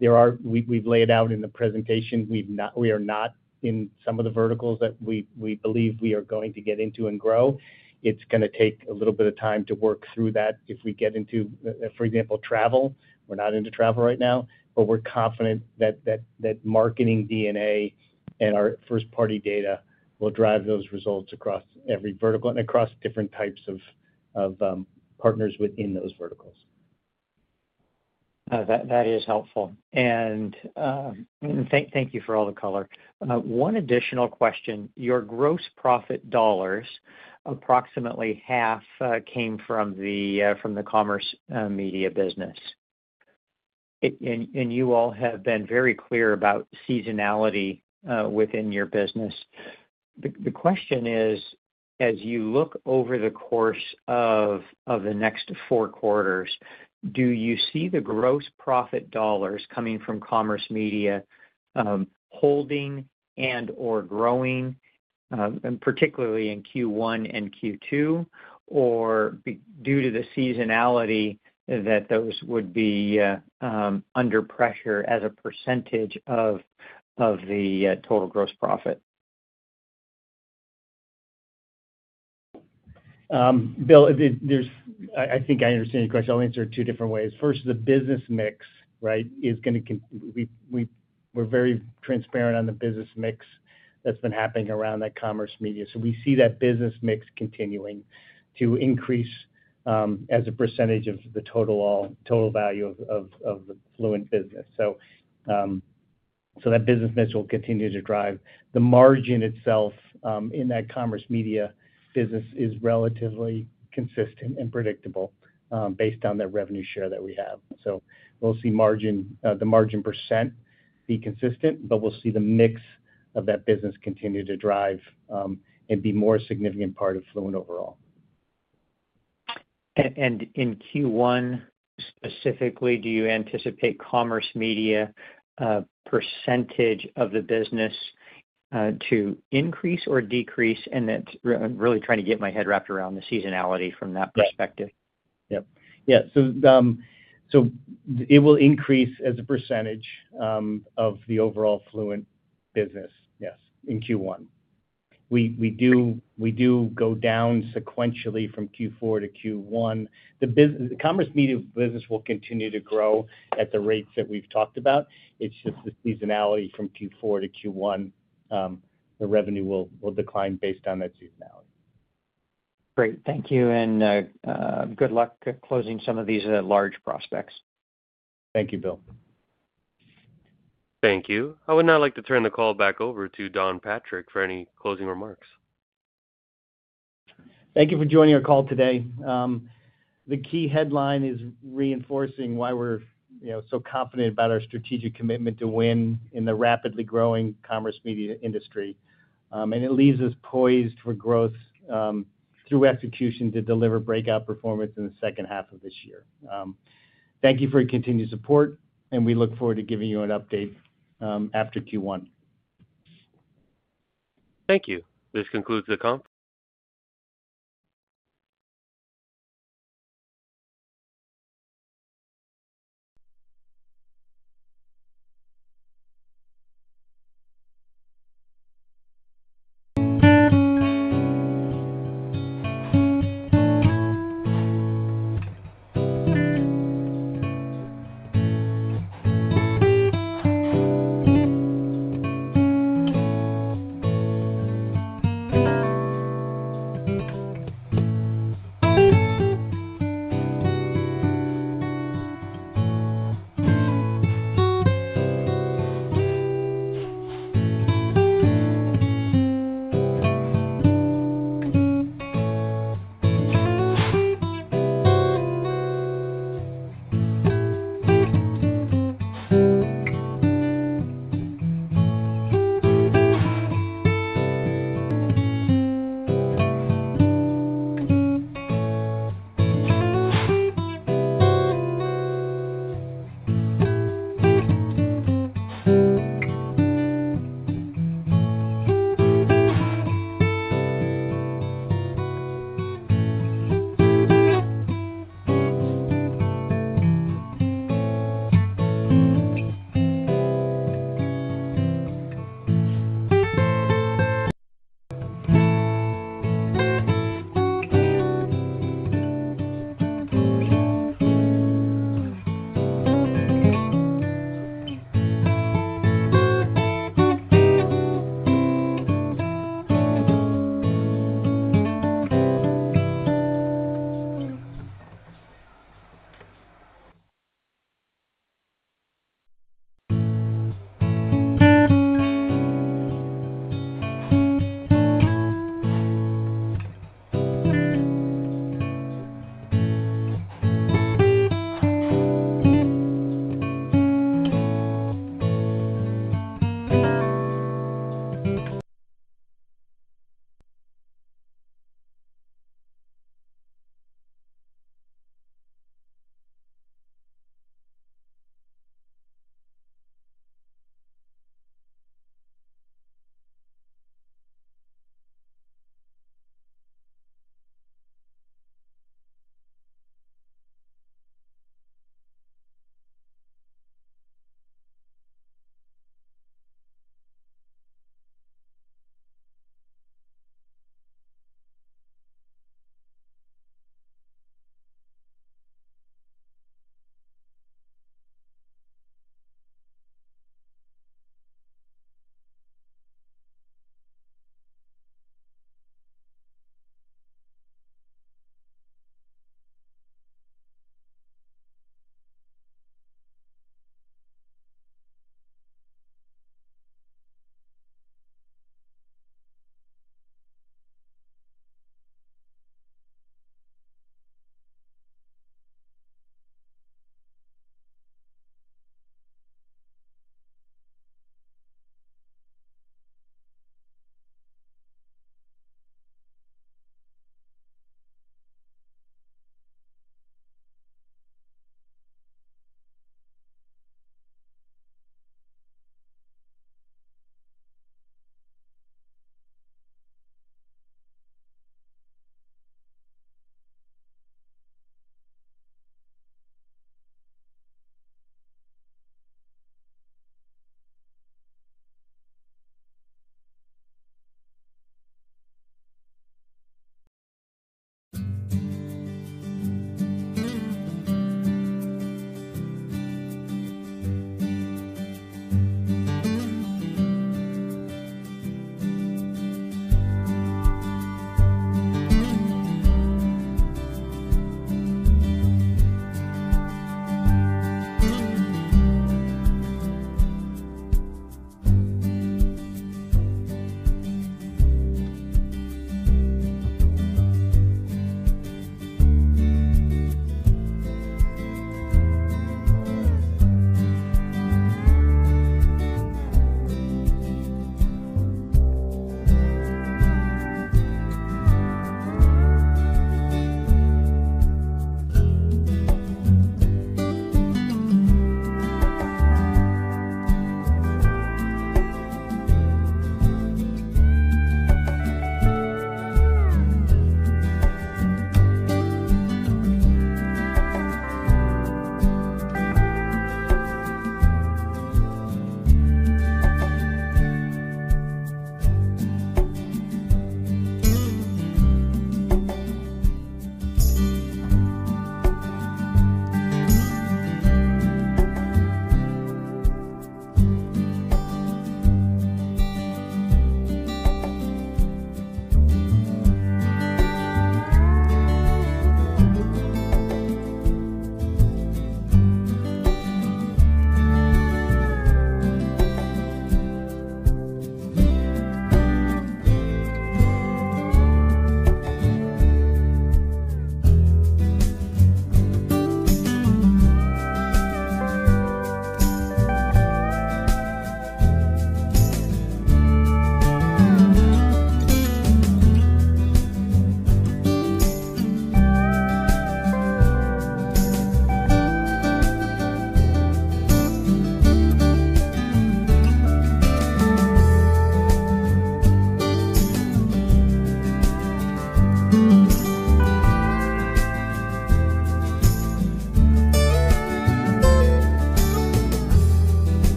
We have laid out in the presentation, we are not in some of the verticals that we believe we are going to get into and grow. It is going to take a little bit of time to work through that if we get into, for example, travel. We are not into travel right now, but we are confident that marketing DNA and our first-party data will drive those results across every vertical and across different types of partners within those verticals. That is helpful. Thank you for all the color. One additional question. Your gross profit dollars, approximately half, came from the commerce media business. You all have been very clear about seasonality within your business. The question is, as you look over the course of the next four quarters, do you see the gross profit dollars coming from commerce media holding and/or growing, particularly in Q1 and Q2, or due to the seasonality that those would be under pressure as a percentage of the total gross profit? Bill, I think I understand your question. I'll answer it two different ways. First, the business mix, right, is going to—we're very transparent on the business mix that's been happening around that commerce media. We see that business mix continuing to increase as a percentage of the total value of the Fluent business. That business mix will continue to drive. The margin itself in that commerce media business is relatively consistent and predictable based on that revenue share that we have. We'll see the margin percent be consistent, but we'll see the mix of that business continue to drive and be a more significant part of Fluent overall. In Q1 specifically, do you anticipate commerce media percentage of the business to increase or decrease? That is really trying to get my head wrapped around the seasonality from that perspective. Yep. Yep. Yeah. It will increase as a percentage of the overall Fluent business, yes, in Q1. We do go down sequentially from Q4 to Q1. The commerce media business will continue to grow at the rates that we've talked about. It's just the seasonality from Q4 to Q1, the revenue will decline based on that seasonality. Great. Thank you. Good luck closing some of these large prospects. Thank you, Bill. Thank you. I would now like to turn the call back over to Don Patrick for any closing remarks. Thank you for joining our call today. The key headline is reinforcing why we're so confident about our strategic commitment to win in the rapidly growing commerce media industry. It leaves us poised for growth through execution to deliver breakout performance in the second half of this year. Thank you for your continued support, and we look forward to giving you an update after Q1. Thank you. This concludes the conference.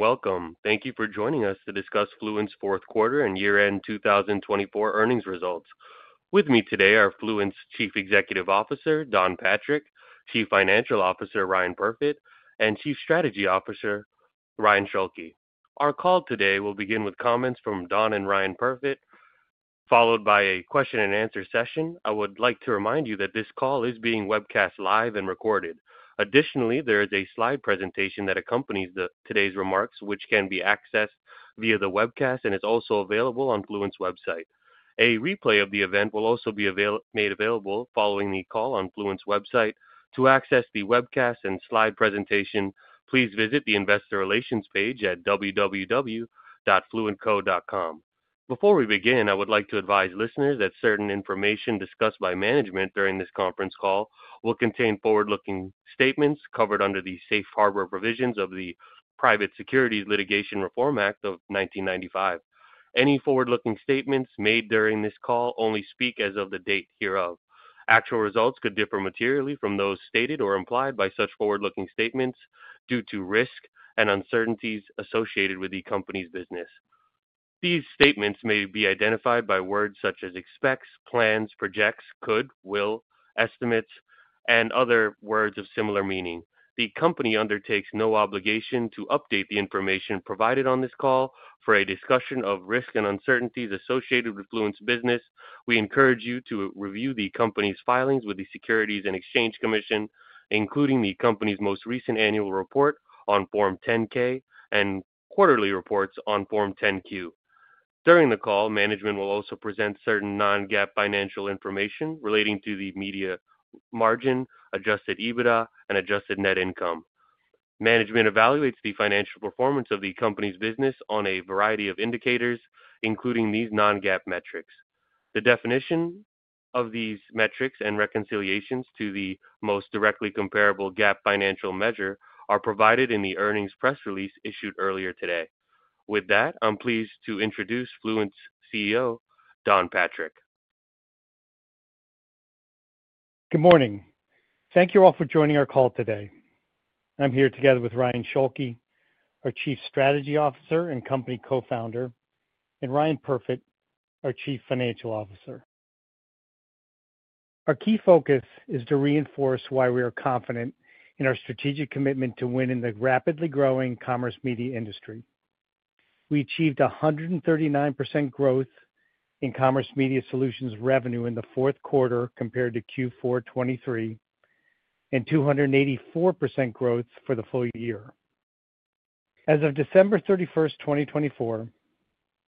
Good morning and welcome. Thank you for joining us to discuss Fluent's fourth quarter and year-end 2024 earnings results. With me today are Fluent's Chief Executive Officer, Don Patrick; Chief Financial Officer, Ryan Perfit; and Chief Strategy Officer, Ryan Schulke. Our call today will begin with comments from Don and Ryan Perfit, followed by a question-and-answer session. I would like to remind you that this call is being webcast live and recorded. Additionally, there is a slide presentation that accompanies today's remarks, which can be accessed via the webcast and is also available on Fluent's website. A replay of the event will also be made available following the call on Fluent's website. To access the webcast and slide presentation, please visit the Investor Relations page at www.fluentco.com. Before we begin, I would like to advise listeners that certain information discussed by management during this conference call will contain forward-looking statements covered under the Safe Harbor Provisions of the Private Securities Litigation Reform Act of 1995. Any forward-looking statements made during this call only speak as of the date hereof. Actual results could differ materially from those stated or implied by such forward-looking statements due to risk and uncertainties associated with the company's business. These statements may be identified by words such as expects, plans, projects, could, will, estimates, and other words of similar meaning. The company undertakes no obligation to update the information provided on this call. For a discussion of risk and uncertainties associated with Fluent's business, we encourage you to review the company's filings with the Securities and Exchange Commission, including the company's most recent annual report on Form 10-K and quarterly reports on Form 10-Q. During the call, management will also present certain non-GAAP financial information relating to the Media Margin, adjusted EBITDA, and adjusted net income. Management evaluates the financial performance of the company's business on a variety of indicators, including these non-GAAP metrics. The definition of these metrics and reconciliations to the most directly comparable GAAP financial measure are provided in the earnings press release issued earlier today. With that, I'm pleased to introduce Fluent's CEO, Don Patrick. Good morning. Thank you all for joining our call today. I'm here together with Ryan Schulke, our Chief Strategy Officer and company co-founder, and Ryan Perfit, our Chief Financial Officer. Our key focus is to reinforce why we are confident in our strategic commitment to win in the rapidly growing commerce media industry. We achieved 139% growth in Commerce Media Solutions revenue in the fourth quarter compared to Q4 2023, and 284% growth for the full year. As of December 31st, 2024,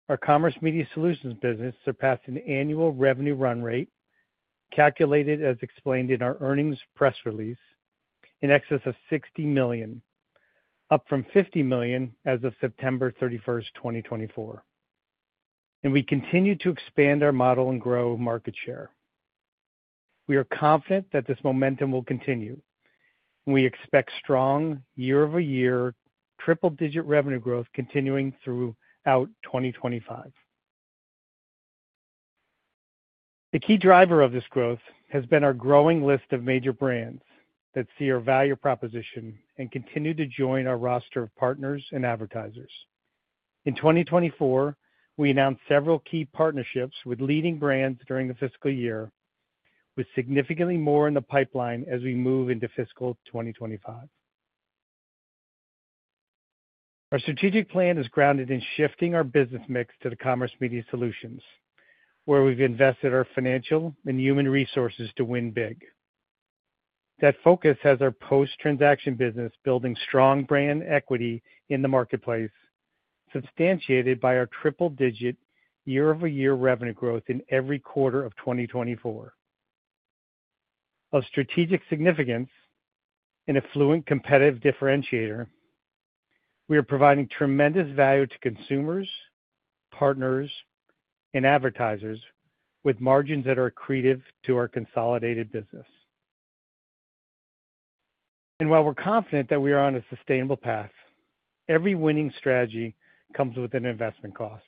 our Commerce Media Solutions business surpassed an annual revenue run rate calculated, as explained in our earnings press release, in excess of $60 million, up from $50 million as of September 31st, 2024. We continue to expand our model and grow market share. We are confident that this momentum will continue, and we expect strong year-over-year triple-digit revenue growth continuing throughout 2025. The key driver of this growth has been our growing list of major brands that see our value proposition and continue to join our roster of partners and advertisers. In 2024, we announced several key partnerships with leading brands during the fiscal year, with significantly more in the pipeline as we move into fiscal 2025. Our strategic plan is grounded in shifting our business mix to the Commerce Media Solutions, where we've invested our financial and human resources to win big. That focus has our post-transaction business building strong brand equity in the marketplace, substantiated by our triple-digit year-over-year revenue growth in every quarter of 2024. Of strategic significance and a Fluent competitive differentiator, we are providing tremendous value to consumers, partners, and advertisers with margins that are accretive to our consolidated business. While we're confident that we are on a sustainable path, every winning strategy comes with an investment cost,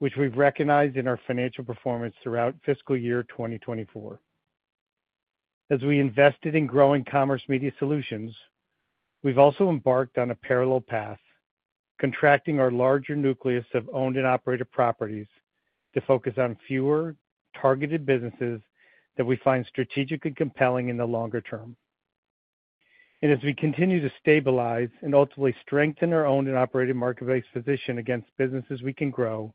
which we've recognized in our financial performance throughout fiscal year 2024. As we invested in growing Commerce Media Solutions, we've also embarked on a parallel path, contracting our larger nucleus of owned and operated properties to focus on fewer targeted businesses that we find strategically compelling in the longer term. As we continue to stabilize and ultimately strengthen our Owned and Operated Marketplace position against businesses we can grow,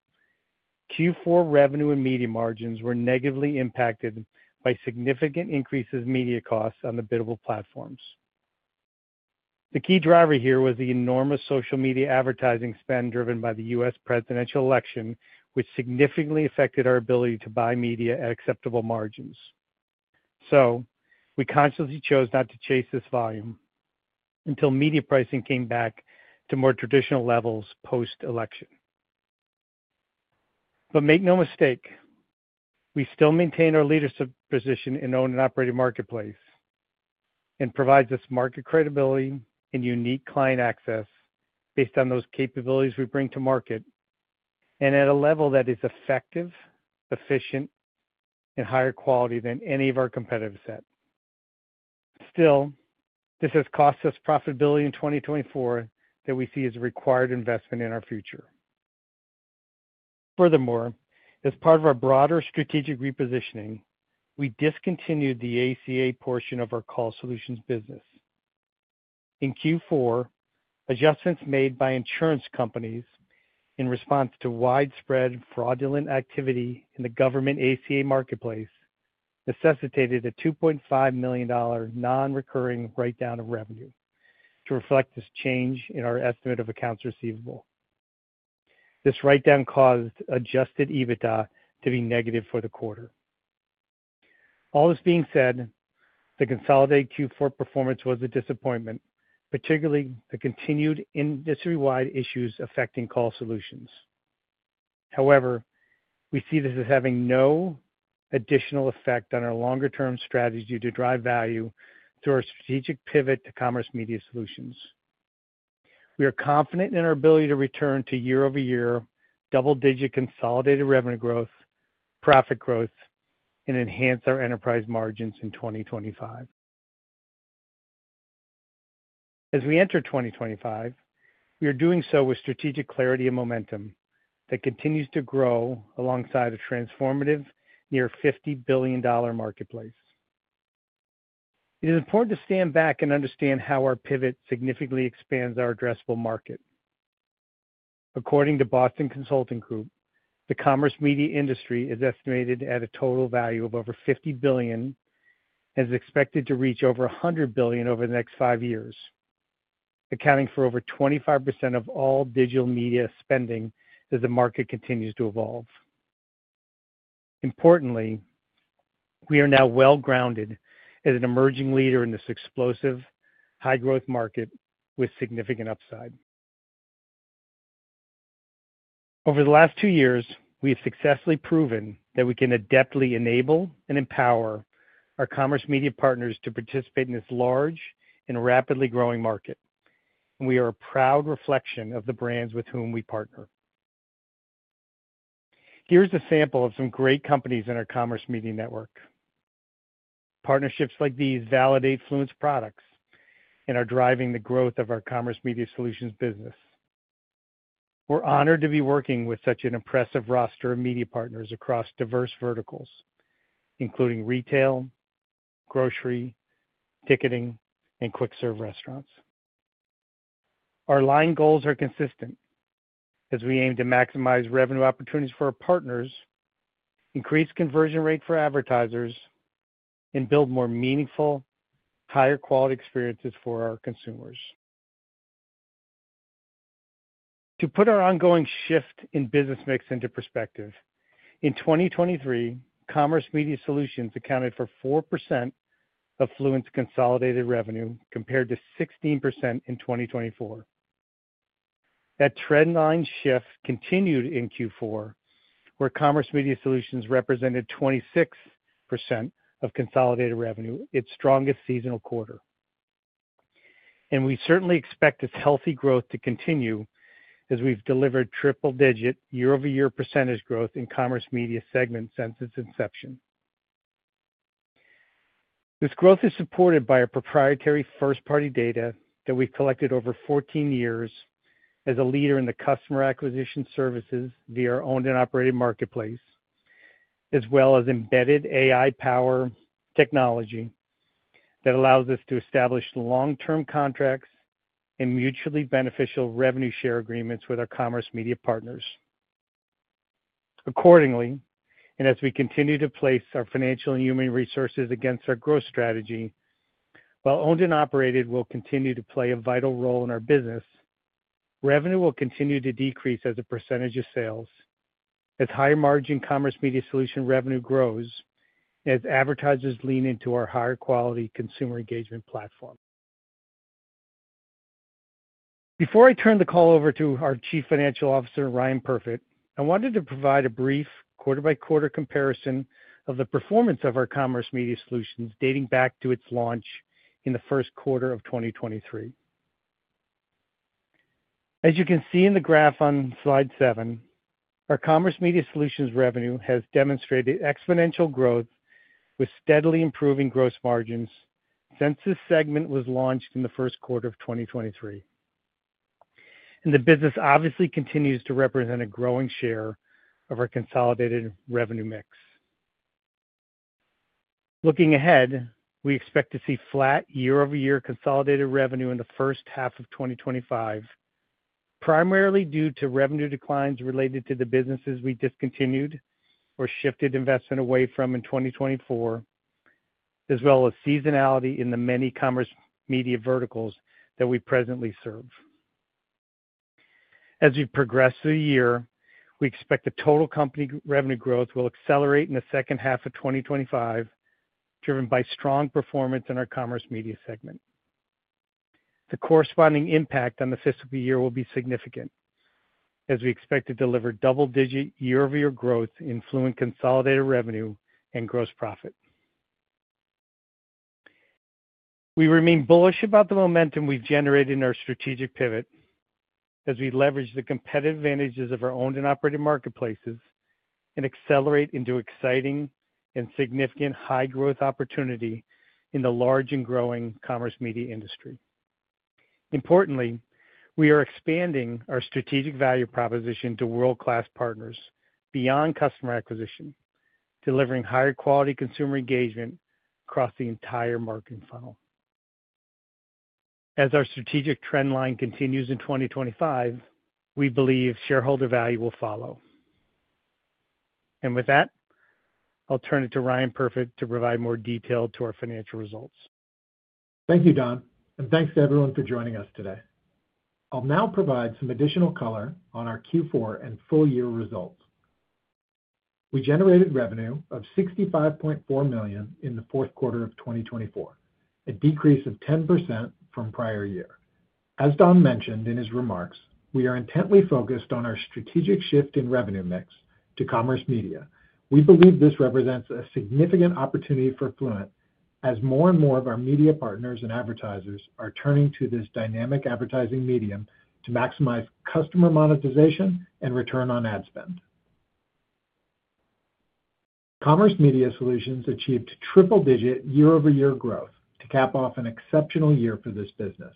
Q4 revenue and Media Margins were negatively impacted by significant increases in media costs on the biddable platforms. The key driver here was the enormous social media advertising spend driven by the U.S. presidential election, which significantly affected our ability to buy media at acceptable margins. We consciously chose not to chase this volume until media pricing came back to more traditional levels post-election. Make no mistake, we still maintain our leadership position in owned and operated marketplace and provide this market credibility and unique client access based on those capabilities we bring to market and at a level that is effective, efficient, and higher quality than any of our competitive set. Still, this has cost us profitability in 2024 that we see as a required investment in our future. Furthermore, as part of our broader strategic repositioning, we discontinued the ACA portion of our Call Solutions business. In Q4, adjustments made by insurance companies in response to widespread fraudulent activity in the government ACA marketplace necessitated a $2.5 million non-recurring write-down of revenue to reflect this change in our estimate of accounts receivable. This write-down caused adjusted EBITDA to be negative for the quarter. All this being said, the consolidated Q4 performance was a disappointment, particularly the continued industry-wide issues affecting Call Solutions. However, we see this as having no additional effect on our longer-term strategy to drive value through our strategic pivot to Commerce Media Solutions. We are confident in our ability to return to year-over-year double-digit consolidated revenue growth, profit growth, and enhance our enterprise margins in 2025. As we enter 2025, we are doing so with strategic clarity and momentum that continues to grow alongside a transformative near $50 billion marketplace. It is important to stand back and understand how our pivot significantly expands our addressable market. According to Boston Consulting Group, the commerce media industry is estimated at a total value of over $50 billion and is expected to reach over $100 billion over the next five years, accounting for over 25% of all digital media spending as the market continues to evolve. Importantly, we are now well grounded as an emerging leader in this explosive, high-growth market with significant upside. Over the last two years, we have successfully proven that we can adeptly enable and empower our commerce media partners to participate in this large and rapidly growing market, and we are a proud reflection of the brands with whom we partner. Here's a sample of some great companies in our commerce media network. Partnerships like these validate Fluent products and are driving the growth of our commerce media solutions business. We're honored to be working with such an impressive roster of media partners across diverse verticals, including retail, grocery, ticketing, and quick-serve restaurants. Our line goals are consistent as we aim to maximize revenue opportunities for our partners, increase conversion rates for advertisers, and build more meaningful, higher-quality experiences for our consumers. To put our ongoing shift in business mix into perspective, in 2023, Commerce Media Solutions accounted for 4% of Fluent's consolidated revenue compared to 16% in 2024. That trendline shift continued in Q4, where Commerce Media Solutions represented 26% of consolidated revenue, its strongest seasonal quarter. We certainly expect this healthy growth to continue as we've delivered triple-digit year-over-year percentage growth in Commerce Media segments since its inception. This growth is supported by our proprietary first-party data that we've collected over 14 years as a leader in the customer acquisition services via our Owned and Operated Marketplace, as well as embedded AI-powered technology that allows us to establish long-term contracts and mutually beneficial revenue share agreements with our commerce media partners. Accordingly, and as we continue to place our financial and human resources against our growth strategy, while Owned and Operated will continue to play a vital role in our business, revenue will continue to decrease as a percentage of sales as higher-margin Commerce Media Solutions revenue grows and as advertisers lean into our higher-quality consumer engagement platform. Before I turn the call over to our Chief Financial Officer, Ryan Perfit, I wanted to provide a brief quarter-by-quarter comparison of the performance of our Commerce Media Solutions dating back to its launch in the first quarter of 2023. As you can see in the graph on slide 7, our Commerce Media Solutions revenue has demonstrated exponential growth with steadily improving gross margins since this segment was launched in the first quarter of 2023. The business obviously continues to represent a growing share of our consolidated revenue mix. Looking ahead, we expect to see flat year-over-year consolidated revenue in the first half of 2025, primarily due to revenue declines related to the businesses we discontinued or shifted investment away from in 2024, as well as seasonality in the many commerce media verticals that we presently serve. As we progress through the year, we expect the total company revenue growth will accelerate in the second half of 2025, driven by strong performance in our commerce media segment. The corresponding impact on the fiscal year will be significant, as we expect to deliver double-digit year-over-year growth in Fluent consolidated revenue and gross profit. We remain bullish about the momentum we've generated in our strategic pivot as we leverage the competitive advantages of our owned and operated marketplaces and accelerate into exciting and significant high-growth opportunity in the large and growing commerce media industry. Importantly, we are expanding our strategic value proposition to world-class partners beyond customer acquisition, delivering higher-quality consumer engagement across the entire marketing funnel. As our strategic trendline continues in 2025, we believe shareholder value will follow. With that, I'll turn it to Ryan Perfit to provide more detail to our financial results. Thank you, Don. Thanks to everyone for joining us today. I'll now provide some additional color on our Q4 and full-year results. We generated revenue of $65.4 million in the fourth quarter of 2024, a decrease of 10% from prior year. As Don mentioned in his remarks, we are intently focused on our strategic shift in revenue mix to commerce media. We believe this represents a significant opportunity for Fluent, as more and more of our media partners and advertisers are turning to this dynamic advertising medium to maximize customer monetization and return on ad spend. Commerce Media Solutions achieved triple-digit year-over-year growth to cap off an exceptional year for this business.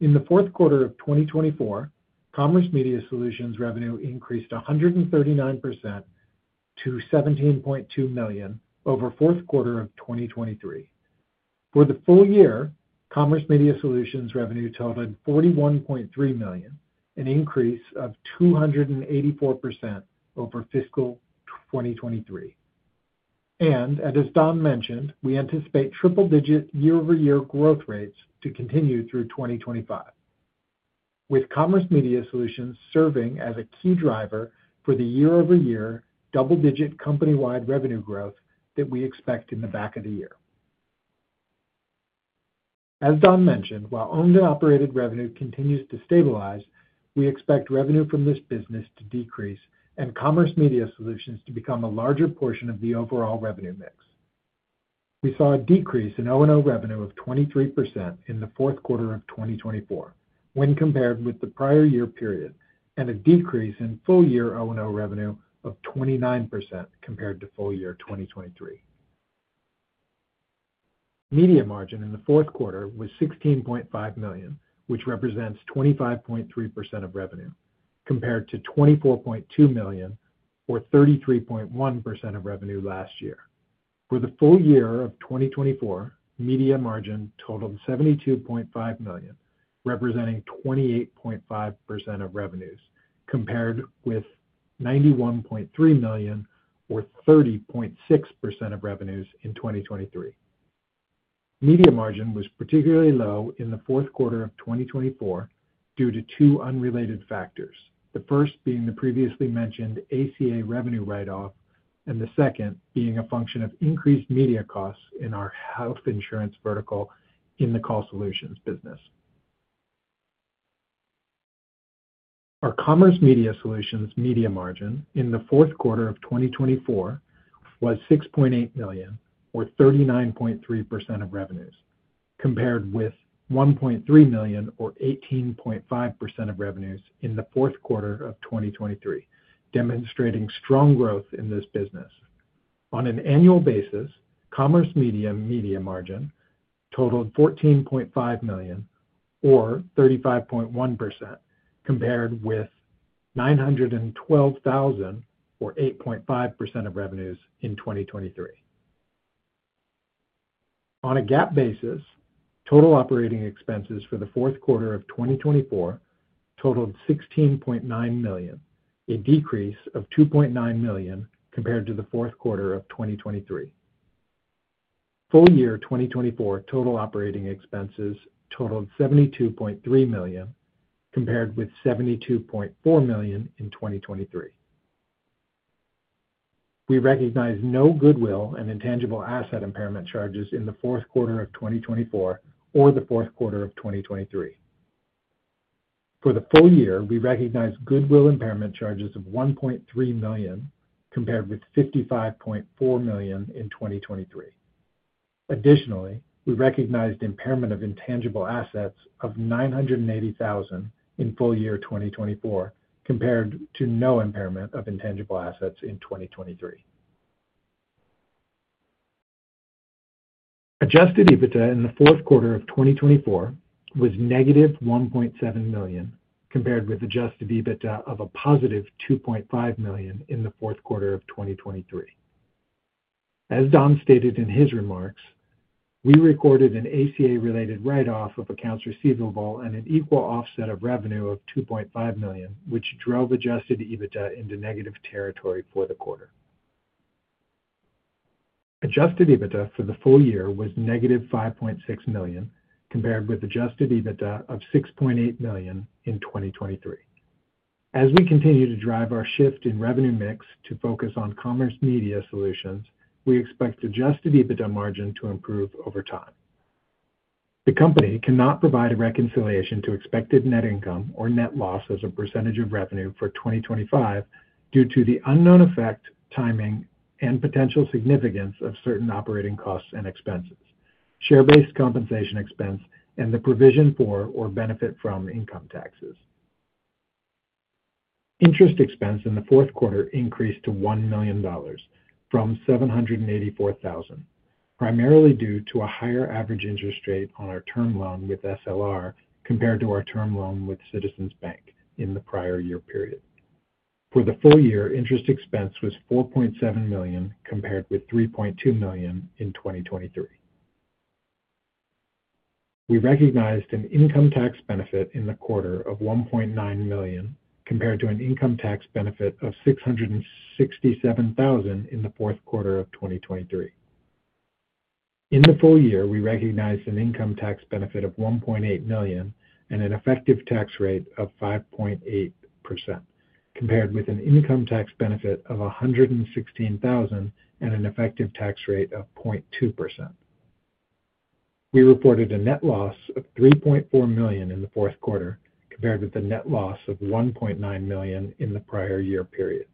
In the fourth quarter of 2024, Commerce Media Solutions revenue increased 139% to $17.2 million over the fourth quarter of 2023. For the full year, Commerce Media Solutions revenue totaled $41.3 million, an increase of 284% over fiscal 2023. As Don mentioned, we anticipate triple-digit year-over-year growth rates to continue through 2025, with Commerce Media Solutions serving as a key driver for the year-over-year double-digit company-wide revenue growth that we expect in the back of the year. As Don mentioned, while Owned and Operated revenue continues to stabilize, we expect revenue from this business to decrease and Commerce Media Solutions to become a larger portion of the overall revenue mix. We saw a decrease in O&O revenue of 23% in the fourth quarter of 2024 when compared with the prior year period and a decrease in full-year O&O revenue of 29% compared to full-year 2023. Media Margin in the fourth quarter was $16.5 million, which represents 25.3% of revenue, compared to $24.2 million or 33.1% of revenue last year. For the full year of 2024, Media Margin totaled $72.5 million, representing 28.5% of revenues, compared with $91.3 million or 30.6% of revenues in 2023. Media Margin was particularly low in the fourth quarter of 2024 due to two unrelated factors, the first being the previously mentioned ACA revenue write-off and the second being a function of increased media costs in our health insurance vertical in the Call Solutions business. Our Commerce Media Solutions Media Margin in the fourth quarter of 2024 was $6.8 million or 39.3% of revenues, compared with $1.3 million or 18.5% of revenues in the fourth quarter of 2023, demonstrating strong growth in this business. On an annual basis, Commerce Media Solutions Media Margin totaled $14.5 million or 35.1%, compared with $912,000 or 8.5% of revenues in 2023. On a GAAP basis, total operating expenses for the fourth quarter of 2024 totaled $16.9 million, a decrease of $2.9 million compared to the fourth quarter of 2023. Full year 2024 total operating expenses totaled $72.3 million, compared with $72.4 million in 2023. We recognize no goodwill and intangible asset impairment charges in the fourth quarter of 2024 or the fourth quarter of 2023. For the full year, we recognize goodwill impairment charges of $1.3 million compared with $55.4 million in 2023. Additionally, we recognized impairment of intangible assets of $980,000 in full year 2024, compared to no impairment of intangible assets in 2023. Adjusted EBITDA in the fourth quarter of 2024 was -$1.7 million, compared with adjusted EBITDA of a +$2.5 million in the fourth quarter of 2023. As Don stated in his remarks, we recorded an ACA-related write-off of accounts receivable and an equal offset of revenue of $2.5 million, which drove adjusted EBITDA into negative territory for the quarter. Adjusted EBITDA for the full year was -$5.6 million, compared with adjusted EBITDA of $6.8 million in 2023. As we continue to drive our shift in revenue mix to focus on commerce media solutions, we expect adjusted EBITDA margin to improve over time. The company cannot provide a reconciliation to expected net income or net loss as a percentage of revenue for 2025 due to the unknown effect, timing, and potential significance of certain operating costs and expenses, share-based compensation expense, and the provision for or benefit from income taxes. Interest expense in the fourth quarter increased to $1 million from $784,000, primarily due to a higher average interest rate on our term loan with SLR Credit Solutions compared to our term loan with Citizens Bank in the prior year period. For the full year, interest expense was $4.7 million compared with $3.2 million in 2023. We recognized an income tax benefit in the quarter of $1.9 million compared to an income tax benefit of $667,000 in the fourth quarter of 2023. In the full year, we recognized an income tax benefit of $1.8 million and an effective tax rate of 5.8%, compared with an income tax benefit of $116,000 and an effective tax rate of 0.2%. We reported a net loss of $3.4 million in the fourth quarter compared with a net loss of $1.9 million in the prior year period,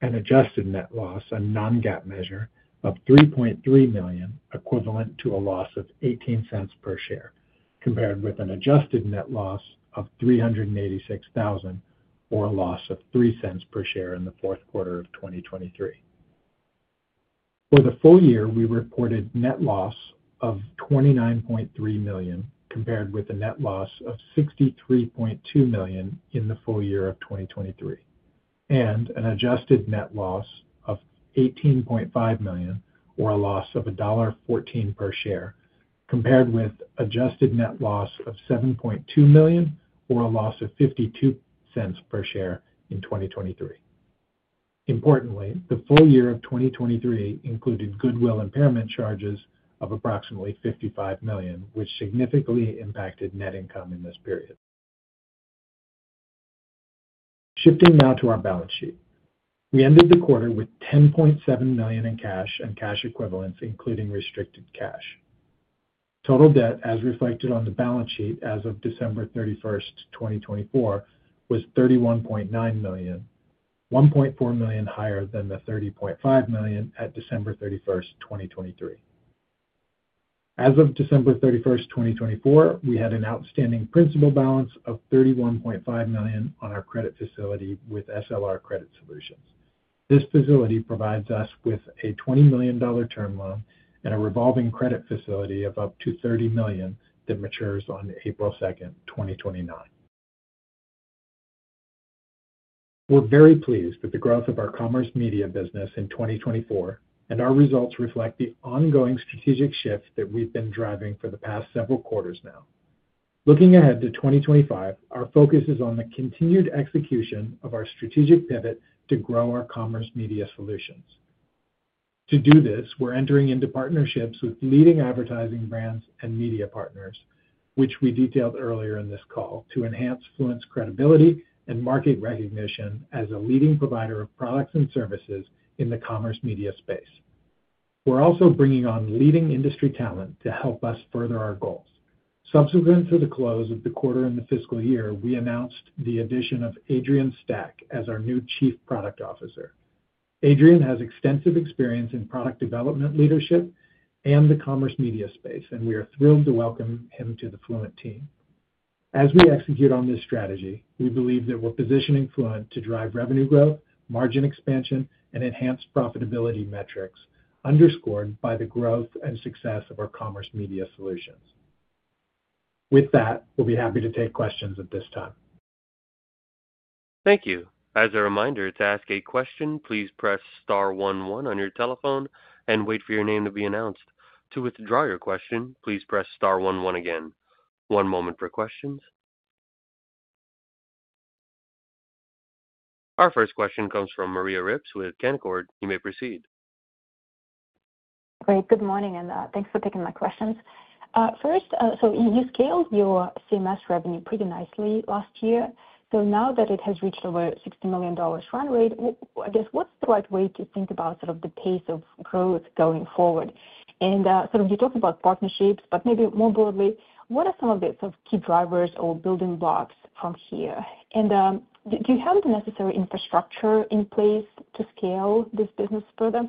an adjusted net loss, a non-GAAP measure, of $3.3 million, equivalent to a loss of $0.18 per share, compared with an adjusted net loss of $386,000 or a loss of $0.03 per share in the fourth quarter of 2023. For the full year, we reported net loss of $29.3 million compared with a net loss of $63.2 million in the full year of 2023, and an adjusted net loss of $18.5 million or a loss of $1.14 per share, compared with adjusted net loss of $7.2 million or a loss of $0.52 per share in 2023. Importantly, the full year of 2023 included goodwill impairment charges of approximately $55 million, which significantly impacted net income in this period. Shifting now to our balance sheet, we ended the quarter with $10.7 million in cash and cash equivalents, including restricted cash. Total debt, as reflected on the balance sheet as of December 31st, 2024, was $31.9 million, $1.4 million higher than the $30.5 million at December 31, 2023. As of December 31st, 2024, we had an outstanding principal balance of $31.5 million on our credit facility with SLR Credit Solutions. This facility provides us with a $20 million term loan and a revolving credit facility of up to $30 million that matures on April 2nd, 2029. We're very pleased with the growth of our commerce media business in 2024, and our results reflect the ongoing strategic shift that we've been driving for the past several quarters now. Looking ahead to 2025, our focus is on the continued execution of our strategic pivot to grow our commerce media solutions. To do this, we're entering into partnerships with leading advertising brands and media partners, which we detailed earlier in this call, to enhance Fluent's credibility and market recognition as a leading provider of products and services in the commerce media space. We're also bringing on leading industry talent to help us further our goals. Subsequent to the close of the quarter in the fiscal year, we announced the addition of Adrian Stack as our new Chief Product Officer. Adrian has extensive experience in product development leadership and the commerce media space, and we are thrilled to welcome him to the Fluent team. As we execute on this strategy, we believe that we're positioning Fluent to drive revenue growth, margin expansion, and enhanced profitability metrics underscored by the growth and success of our commerce media solutions. With that, we'll be happy to take questions at this time. Thank you. As a reminder, to ask a question, please press star one one on your telephone and wait for your name to be announced. To withdraw your question, please press star one one again. One moment for questions. Our first question comes from Maria Ripps with Canaccord. You may proceed. Great. Good morning, and thanks for taking my questions. First, you scaled your CMS revenue pretty nicely last year. Now that it has reached over $60 million run rate, I guess what's the right way to think about sort of the pace of growth going forward? You talked about partnerships, but maybe more broadly, what are some of the sort of key drivers or building blocks from here? Do you have the necessary infrastructure in place to scale this business further?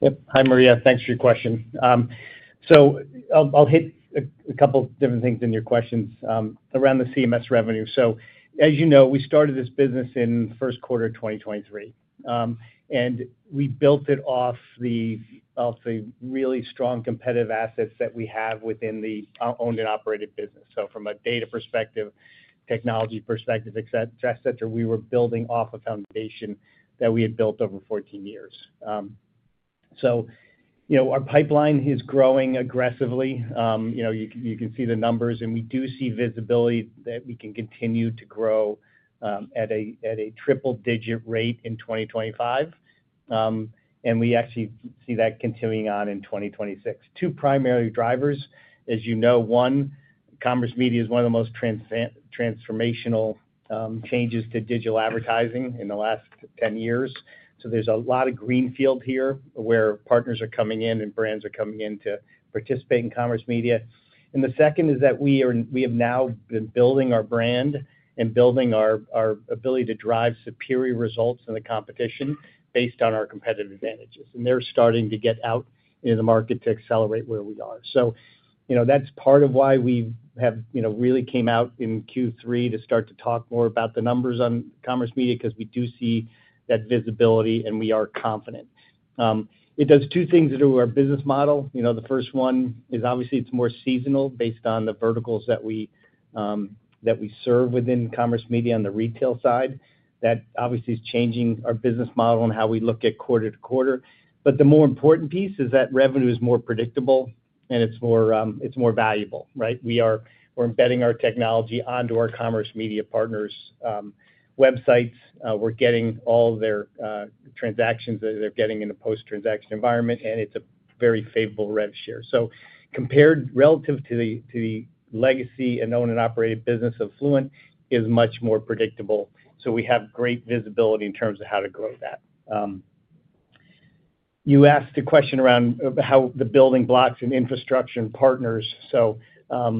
Yep. Hi, Maria. Thanks for your question. I'll hit a couple of different things in your questions around the CMS revenue. As you know, we started this business in the first quarter of 2023, and we built it off the really strong competitive assets that we have within the owned and operated business. From a data perspective, technology perspective, etc., we were building off a foundation that we had built over 14 years. Our pipeline is growing aggressively. You can see the numbers, and we do see visibility that we can continue to grow at a triple-digit rate in 2025, and we actually see that continuing on in 2026. Two primary drivers, as you know, one, commerce media is one of the most transformational changes to digital advertising in the last 10 years. There is a lot of greenfield here where partners are coming in and brands are coming in to participate in commerce media. The second is that we have now been building our brand and building our ability to drive superior results in the competition based on our competitive advantages. They are starting to get out into the market to accelerate where we are. That is part of why we really came out in Q3 to start to talk more about the numbers on commerce media because we do see that visibility and we are confident. It does two things that are our business model. The first one is obviously it is more seasonal based on the verticals that we serve within commerce media on the retail side. That obviously is changing our business model and how we look at quarter to quarter. The more important piece is that revenue is more predictable and it's more valuable, right? We are embedding our technology onto our commerce media partners' websites. We're getting all their transactions that they're getting in a post-transaction environment, and it's a very favorable rev share. Compared relative to the legacy and owned and operated business of Fluent, it is much more predictable. We have great visibility in terms of how to grow that. You asked a question around how the building blocks and infrastructure and partners. I'll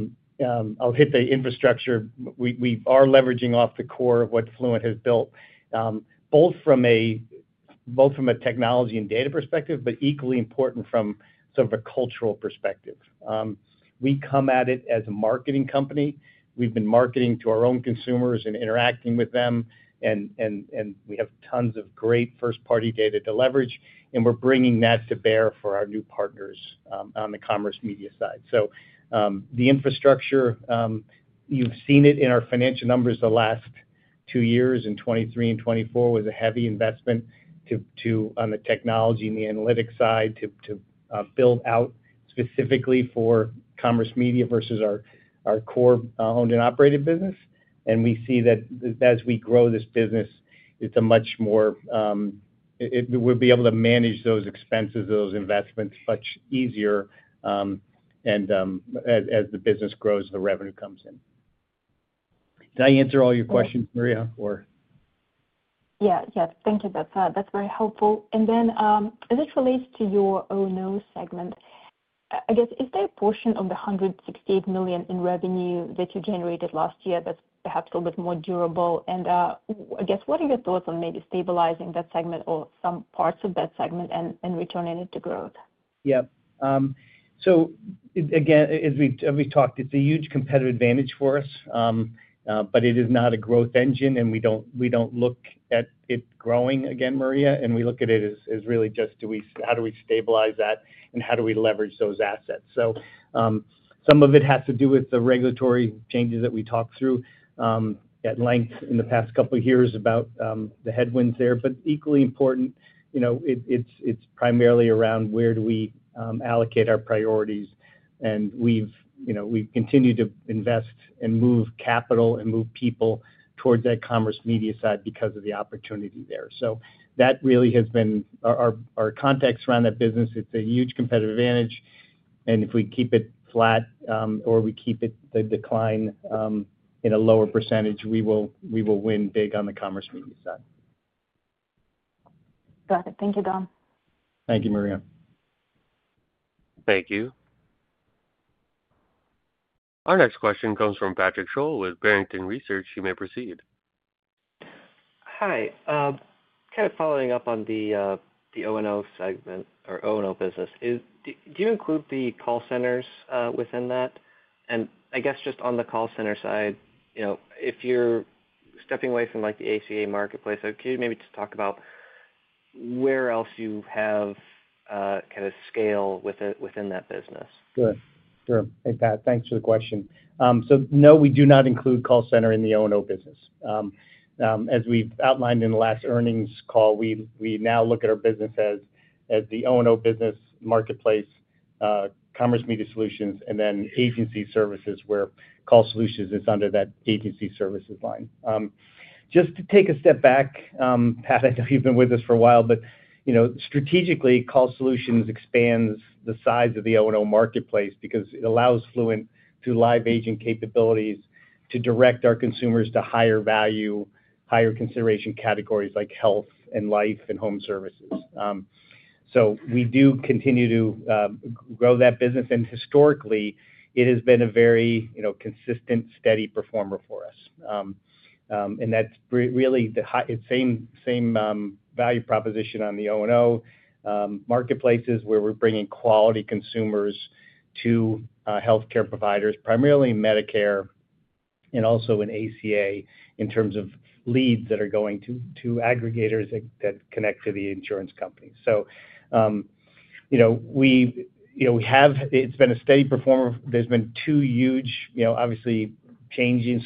hit the infrastructure. We are leveraging off the core of what Fluent has built, both from a technology and data perspective, but equally important from sort of a cultural perspective. We come at it as a marketing company. We've been marketing to our own consumers and interacting with them, and we have tons of great first-party data to leverage, and we're bringing that to bear for our new partners on the commerce media side. The infrastructure, you've seen it in our financial numbers the last two years in 2023 and 2024, was a heavy investment on the technology and the analytics side to build out specifically for commerce media versus our core owned and operated business. We see that as we grow this business, we'll be able to manage those expenses, those investments much easier as the business grows, the revenue comes in. Did I answer all your questions, Maria, or? Yeah. Yeah. Thank you. That's very helpful. As it relates to your O&O segment, I guess is there a portion of the $168 million in revenue that you generated last year that's perhaps a little bit more durable? I guess what are your thoughts on maybe stabilizing that segment or some parts of that segment and returning it to growth? Yep. As we've talked, it's a huge competitive advantage for us, but it is not a growth engine, and we don't look at it growing again, Maria. We look at it as really just how do we stabilize that and how do we leverage those assets. Some of it has to do with the regulatory changes that we talked through at length in the past couple of years about the headwinds there. Equally important, it's primarily around where do we allocate our priorities? We have continued to invest and move capital and move people towards that commerce media side because of the opportunity there. That really has been our context around that business. It is a huge competitive advantage. If we keep it flat or we keep the decline in a lower percentage, we will win big on the commerce media side. Got it. Thank you, Don. Thank you, Maria. Thank you. Our next question comes from Patrick Sholl with Barrington Research. You may proceed. Hi. Kind of following up on the owned and operated segment or owned and operated business, do you include the call centers within that? I guess just on the call center side, if you are stepping away from the ACA marketplace, could you maybe just talk about where else you have kind of scale within that business? Sure. Sure. Thanks for the question. No, we do not include call center in the owned and owned business. As we've outlined in the last earnings call, we now look at our business as the owned and owned business marketplace, Commerce Media Solutions, and then agency services where Call Solutions is under that agency services line. Just to take a step back, Pat, I know you've been with us for a while, but strategically, Call Solutions expands the size of the owned and owned marketplace because it allows Fluent through live agent capabilities to direct our consumers to higher value, higher consideration categories like health and life and home services. We do continue to grow that business. Historically, it has been a very consistent, steady performer for us. That's really the same value proposition on the owned and operated marketplaces where we're bringing quality consumers to healthcare providers, primarily Medicare and also ACA in terms of leads that are going to aggregators that connect to the insurance company. It has been a steady performer. There have been two huge, obviously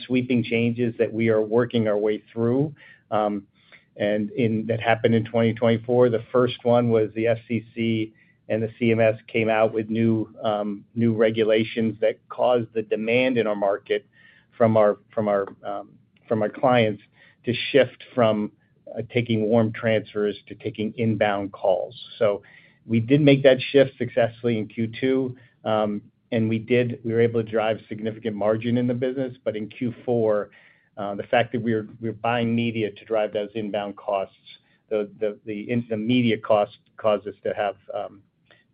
sweeping changes that we are working our way through that happened in 2024. The first one was the FCC and the CMS came out with new regulations that caused the demand in our market from our clients to shift from taking warm transfers to taking inbound calls. We did make that shift successfully in Q2, and we were able to drive significant margin in the business. In Q4, the fact that we were buying media to drive those inbound costs, the media costs caused us to have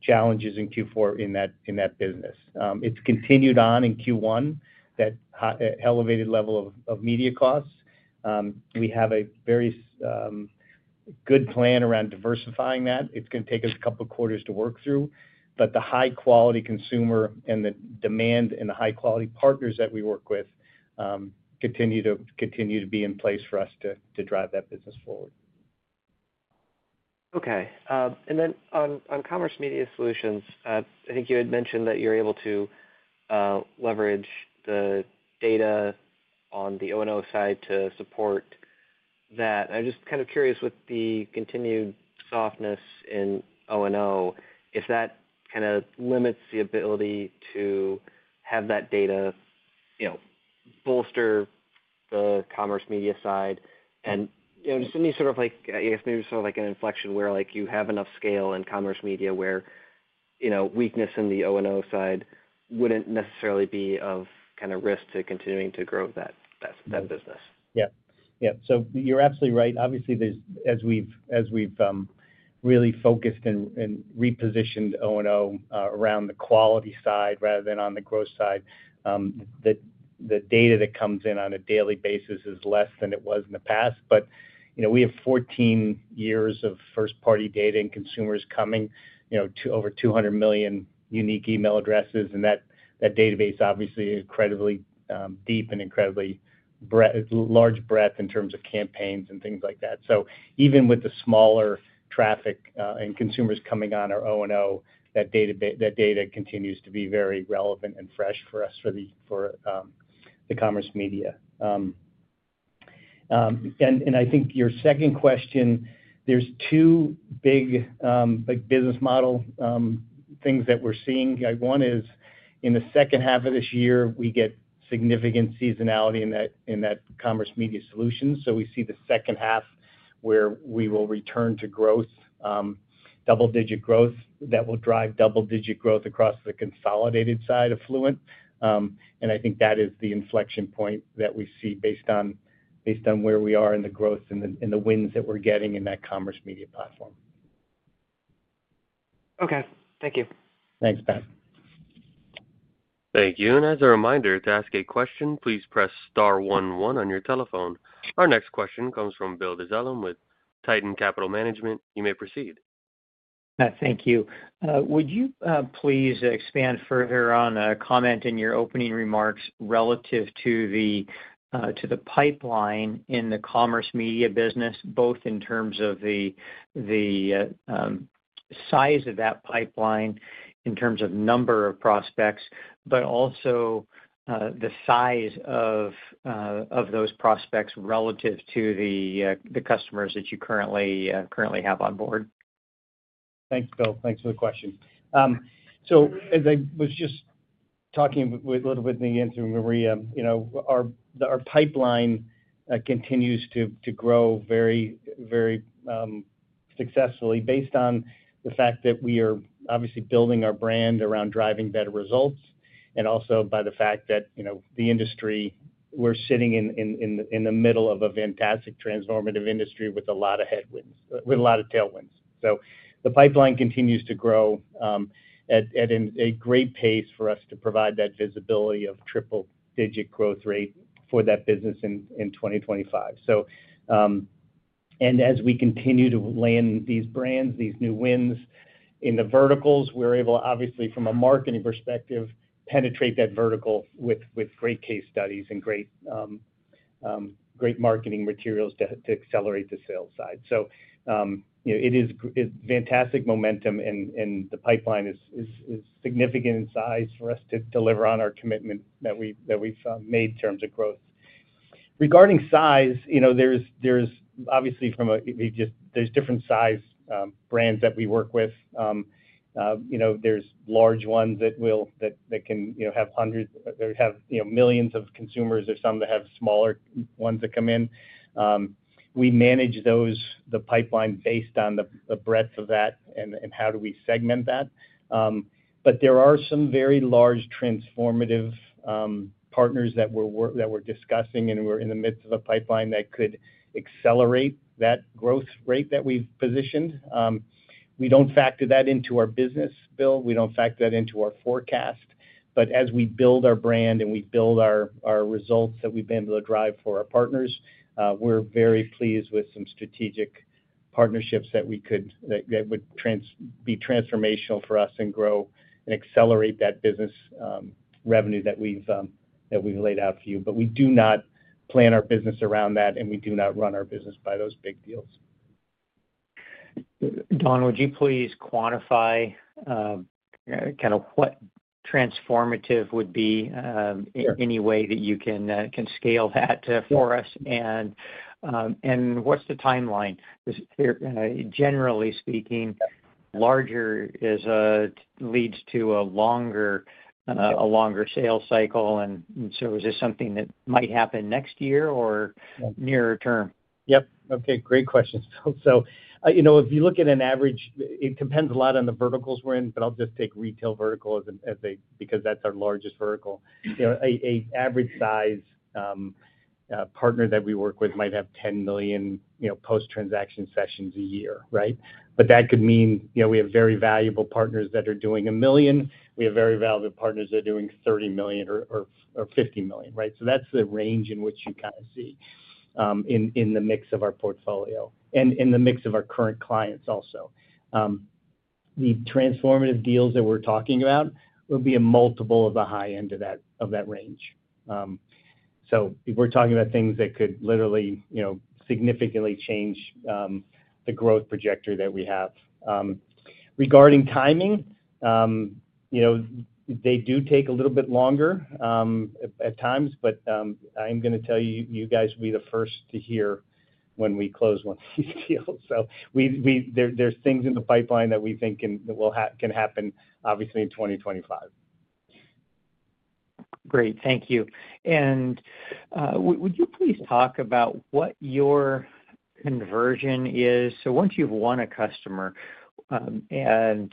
challenges in Q4 in that business. It's continued on in Q1, that elevated level of media costs. We have a very good plan around diversifying that. It's going to take us a couple of quarters to work through. The high-quality consumer and the demand and the high-quality partners that we work with continue to be in place for us to drive that business forward. Okay. On Commerce Media Solutions, I think you had mentioned that you're able to leverage the data on the owned and operated side to support that. I'm just kind of curious with the continued softness in owned and operated, if that kind of limits the ability to have that data bolster the commerce media side and just any sort of, I guess maybe sort of like an inflection where you have enough scale in commerce media where weakness in the owned and operated side wouldn't necessarily be of kind of risk to continuing to grow that business. Yeah. Yeah. You're absolutely right. Obviously, as we've really focused and repositioned owned and operated around the quality side rather than on the growth side, the data that comes in on a daily basis is less than it was in the past. But we have 14 years of first-party data and consumers coming to over 200 million unique email addresses. That database obviously is incredibly deep and incredibly large breadth in terms of campaigns and things like that. Even with the smaller traffic and consumers coming on our owned and operated, that data continues to be very relevant and fresh for us for the commerce media. I think your second question, there are two big business model things that we're seeing. One is in the second half of this year, we get significant seasonality in that commerce media solution. We see the second half where we will return to growth, double-digit growth that will drive double-digit growth across the consolidated side of Fluent. I think that is the inflection point that we see based on where we are in the growth and the wins that we're getting in that commerce media platform. Thank you. Thanks, Pat. Thank you. As a reminder, to ask a question, please press star one one on your telephone. Our next question comes from Bill Dezellem with Tieton Capital Management. You may proceed. Thank you. Would you please expand further on a comment in your opening remarks relative to the pipeline in the commerce media business, both in terms of the size of that pipeline, in terms of number of prospects, but also the size of those prospects relative to the customers that you currently have on board? Thanks, Bill. Thanks for the question. As I was just talking a little bit in the interview, Maria, our pipeline continues to grow very successfully based on the fact that we are obviously building our brand around driving better results and also by the fact that the industry, we're sitting in the middle of a fantastic transformative industry with a lot of headwinds, with a lot of tailwinds. The pipeline continues to grow at a great pace for us to provide that visibility of triple-digit growth rate for that business in 2025. As we continue to land these brands, these new wins in the verticals, we're able to, obviously, from a marketing perspective, penetrate that vertical with great case studies and great marketing materials to accelerate the sales side. It is fantastic momentum, and the pipeline is significant in size for us to deliver on our commitment that we've made in terms of growth. Regarding size, there's obviously different size brands that we work with. There's large ones that can have hundreds or have millions of consumers or some that have smaller ones that come in. We manage the pipeline based on the breadth of that and how do we segment that. There are some very large transformative partners that we're discussing, and we're in the midst of a pipeline that could accelerate that growth rate that we've positioned. We don't factor that into our business, Bill. We don't factor that into our forecast. As we build our brand and we build our results that we've been able to drive for our partners, we're very pleased with some strategic partnerships that would be transformational for us and grow and accelerate that business revenue that we've laid out for you. We do not plan our business around that, and we do not run our business by those big deals. Don, would you please quantify kind of what transformative would be in any way that you can scale that for us? What's the timeline? Generally speaking, larger leads to a longer sales cycle. Is this something that might happen next year or nearer term? Yep. Great questions, Bill. If you look at an average, it depends a lot on the verticals we're in, but I'll just take retail verticals because that's our largest vertical. An average-sized partner that we work with might have 10 million post-transaction sessions a year, right? That could mean we have very valuable partners that are doing a million. We have very valuable partners that are doing 30 million or 50 million, right? That is the range in which you kind of see in the mix of our portfolio and in the mix of our current clients also. The transformative deals that we are talking about will be a multiple of the high end of that range. We are talking about things that could literally significantly change the growth projector that we have. Regarding timing, they do take a little bit longer at times, but I am going to tell you, you guys will be the first to hear when we close one of these deals. There are things in the pipeline that we think can happen, obviously, in 2025. Great. Thank you. Would you please talk about what your conversion is? Once you've won a customer and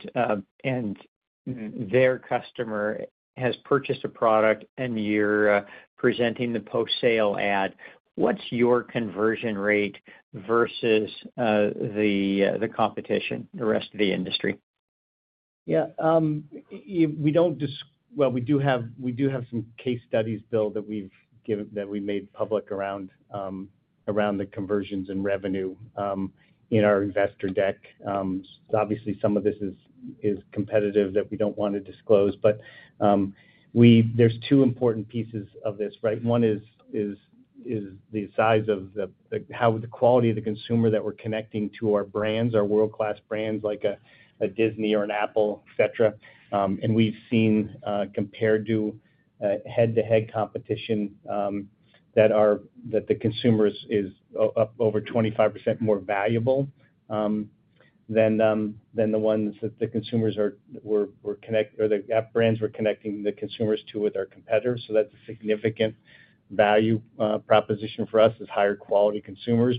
their customer has purchased a product and you're presenting the post-sale ad, what's your conversion rate versus the competition, the rest of the industry? Yeah. We do have some case studies, Bill, that we've made public around the conversions and revenue in our investor deck. Obviously, some of this is competitive that we don't want to disclose. There are two important pieces of this, right? One is the size of how the quality of the consumer that we're connecting to our brands, our world-class brands like a Disney or an Apple, etc. We've seen compared to head-to-head competition that the consumer is up over 25% more valuable than the ones that the consumers were connecting or the brands were connecting the consumers to with our competitors. That is a significant value proposition for us: higher quality consumers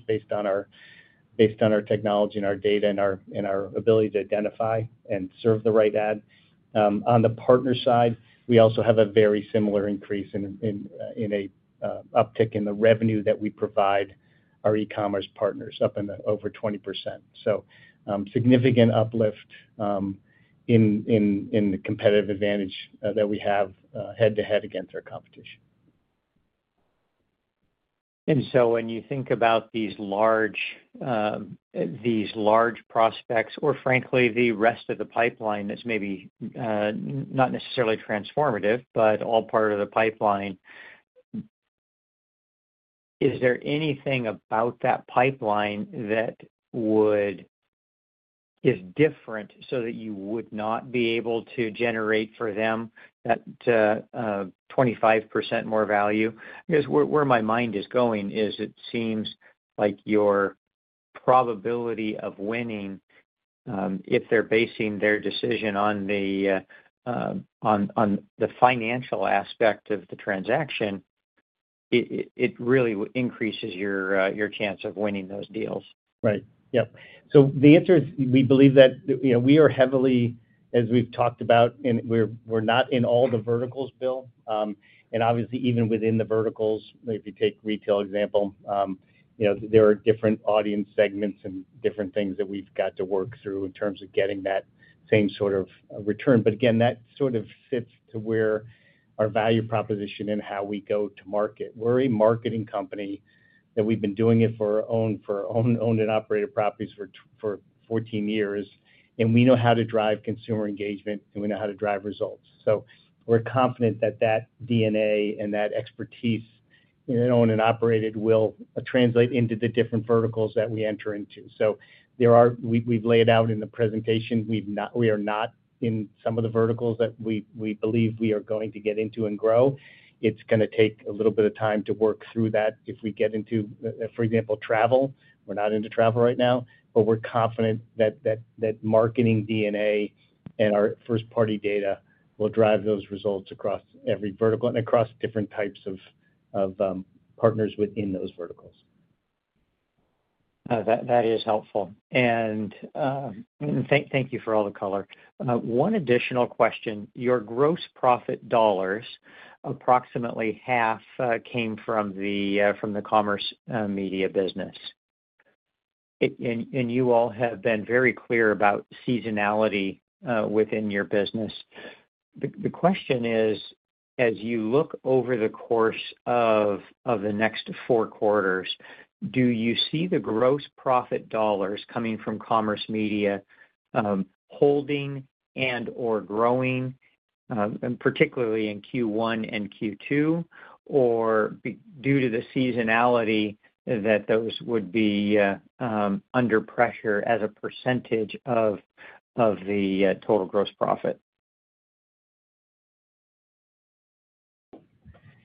based on our technology and our data and our ability to identify and serve the right ad. On the partner side, we also have a very similar increase in an uptick in the revenue that we provide our e-commerce partners, up over 20%. Significant uplift in the competitive advantage that we have head-to-head against our competition. When you think about these large prospects or, frankly, the rest of the pipeline that is maybe not necessarily transformative, but all part of the pipeline, is there anything about that pipeline that is different so that you would not be able to generate for them that 25% more value? Because where my mind is going is it seems like your probability of winning, if they're basing their decision on the financial aspect of the transaction, it really increases your chance of winning those deals. Right. Yep. The answer is we believe that we are heavily, as we've talked about, and we're not in all the verticals, Bill. Obviously, even within the verticals, if you take retail example, there are different audience segments and different things that we've got to work through in terms of getting that same sort of return. Again, that sort of sits to where our value proposition and how we go to market. We're a marketing company that we've been doing it for our owned and operated properties for 14 years. We know how to drive consumer engagement, and we know how to drive results. We're confident that that DNA and that expertise in owned and operated will translate into the different verticals that we enter into. We've laid out in the presentation, we are not in some of the verticals that we believe we are going to get into and grow. It's going to take a little bit of time to work through that if we get into, for example, travel. We're not into travel right now, but we're confident that marketing DNA and our first-party data will drive those results across every vertical and across different types of partners within those verticals. That is helpful. Thank you for all the color. One additional question. Your gross profit dollars, approximately half, came from the commerce media business. You all have been very clear about seasonality within your business. The question is, as you look over the course of the next four quarters, do you see the gross profit dollars coming from commerce media holding and/or growing, particularly in Q1 and Q2, or due to the seasonality that those would be under pressure as a percentage of the total gross profit?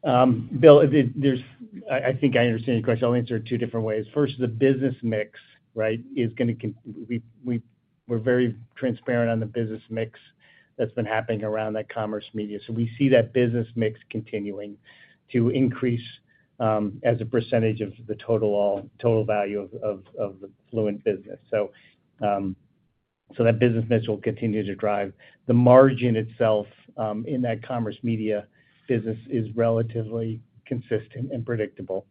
Bill, I think I understand your question. I'll answer it two different ways. First, the business mix, right, is going to—we're very transparent on the business mix that's been happening around that commerce media. You know, we see that business mix continuing to increase as a percentage of the total value of the Fluent business. That business mix will continue to drive. The margin itself in that commerce media business is relatively consistent and predictable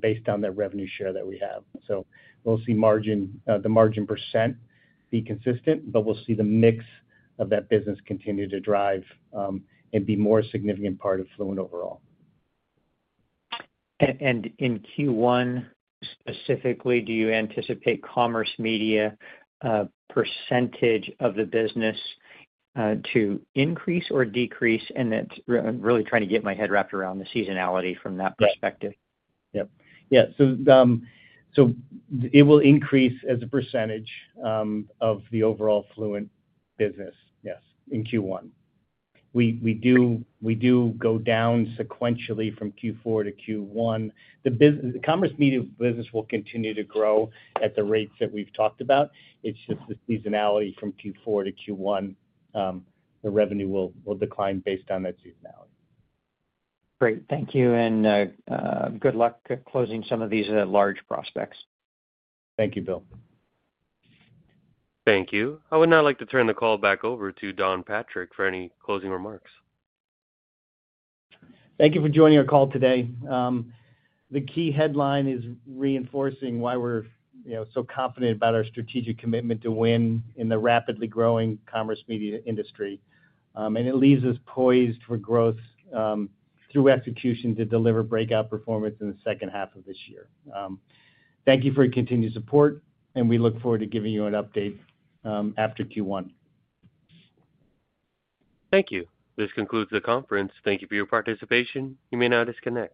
based on the revenue share that we have. We'll see the margin percent be consistent, but we'll see the mix of that business continue to drive and be a more significant part of Fluent overall. In Q1, specifically, do you anticipate commerce media percentage of the business to increase or decrease? That's really trying to get my head wrapped around the seasonality from that perspective. Yep. Yep. Yeah. It will increase as a percentage of the overall Fluent business, yes, in Q1. We do go down sequentially from Q4 to Q1. The commerce media business will continue to grow at the rates that we've talked about. It's just the seasonality from Q4 to Q1, the revenue will decline based on that seasonality. Great. Thank you. Good luck closing some of these large prospects. Thank you, Bill. Thank you. I would now like to turn the call back over to Don Patrick for any closing remarks. Thank you for joining our call today. The key headline is reinforcing why we're so confident about our strategic commitment to win in the rapidly growing commerce media industry. It leaves us poised for growth through execution to deliver breakout performance in the second half of this year. Thank you for your continued support, and we look forward to giving you an update after Q1. Thank you. This concludes the conference. Thank you for your participation. You may now disconnect.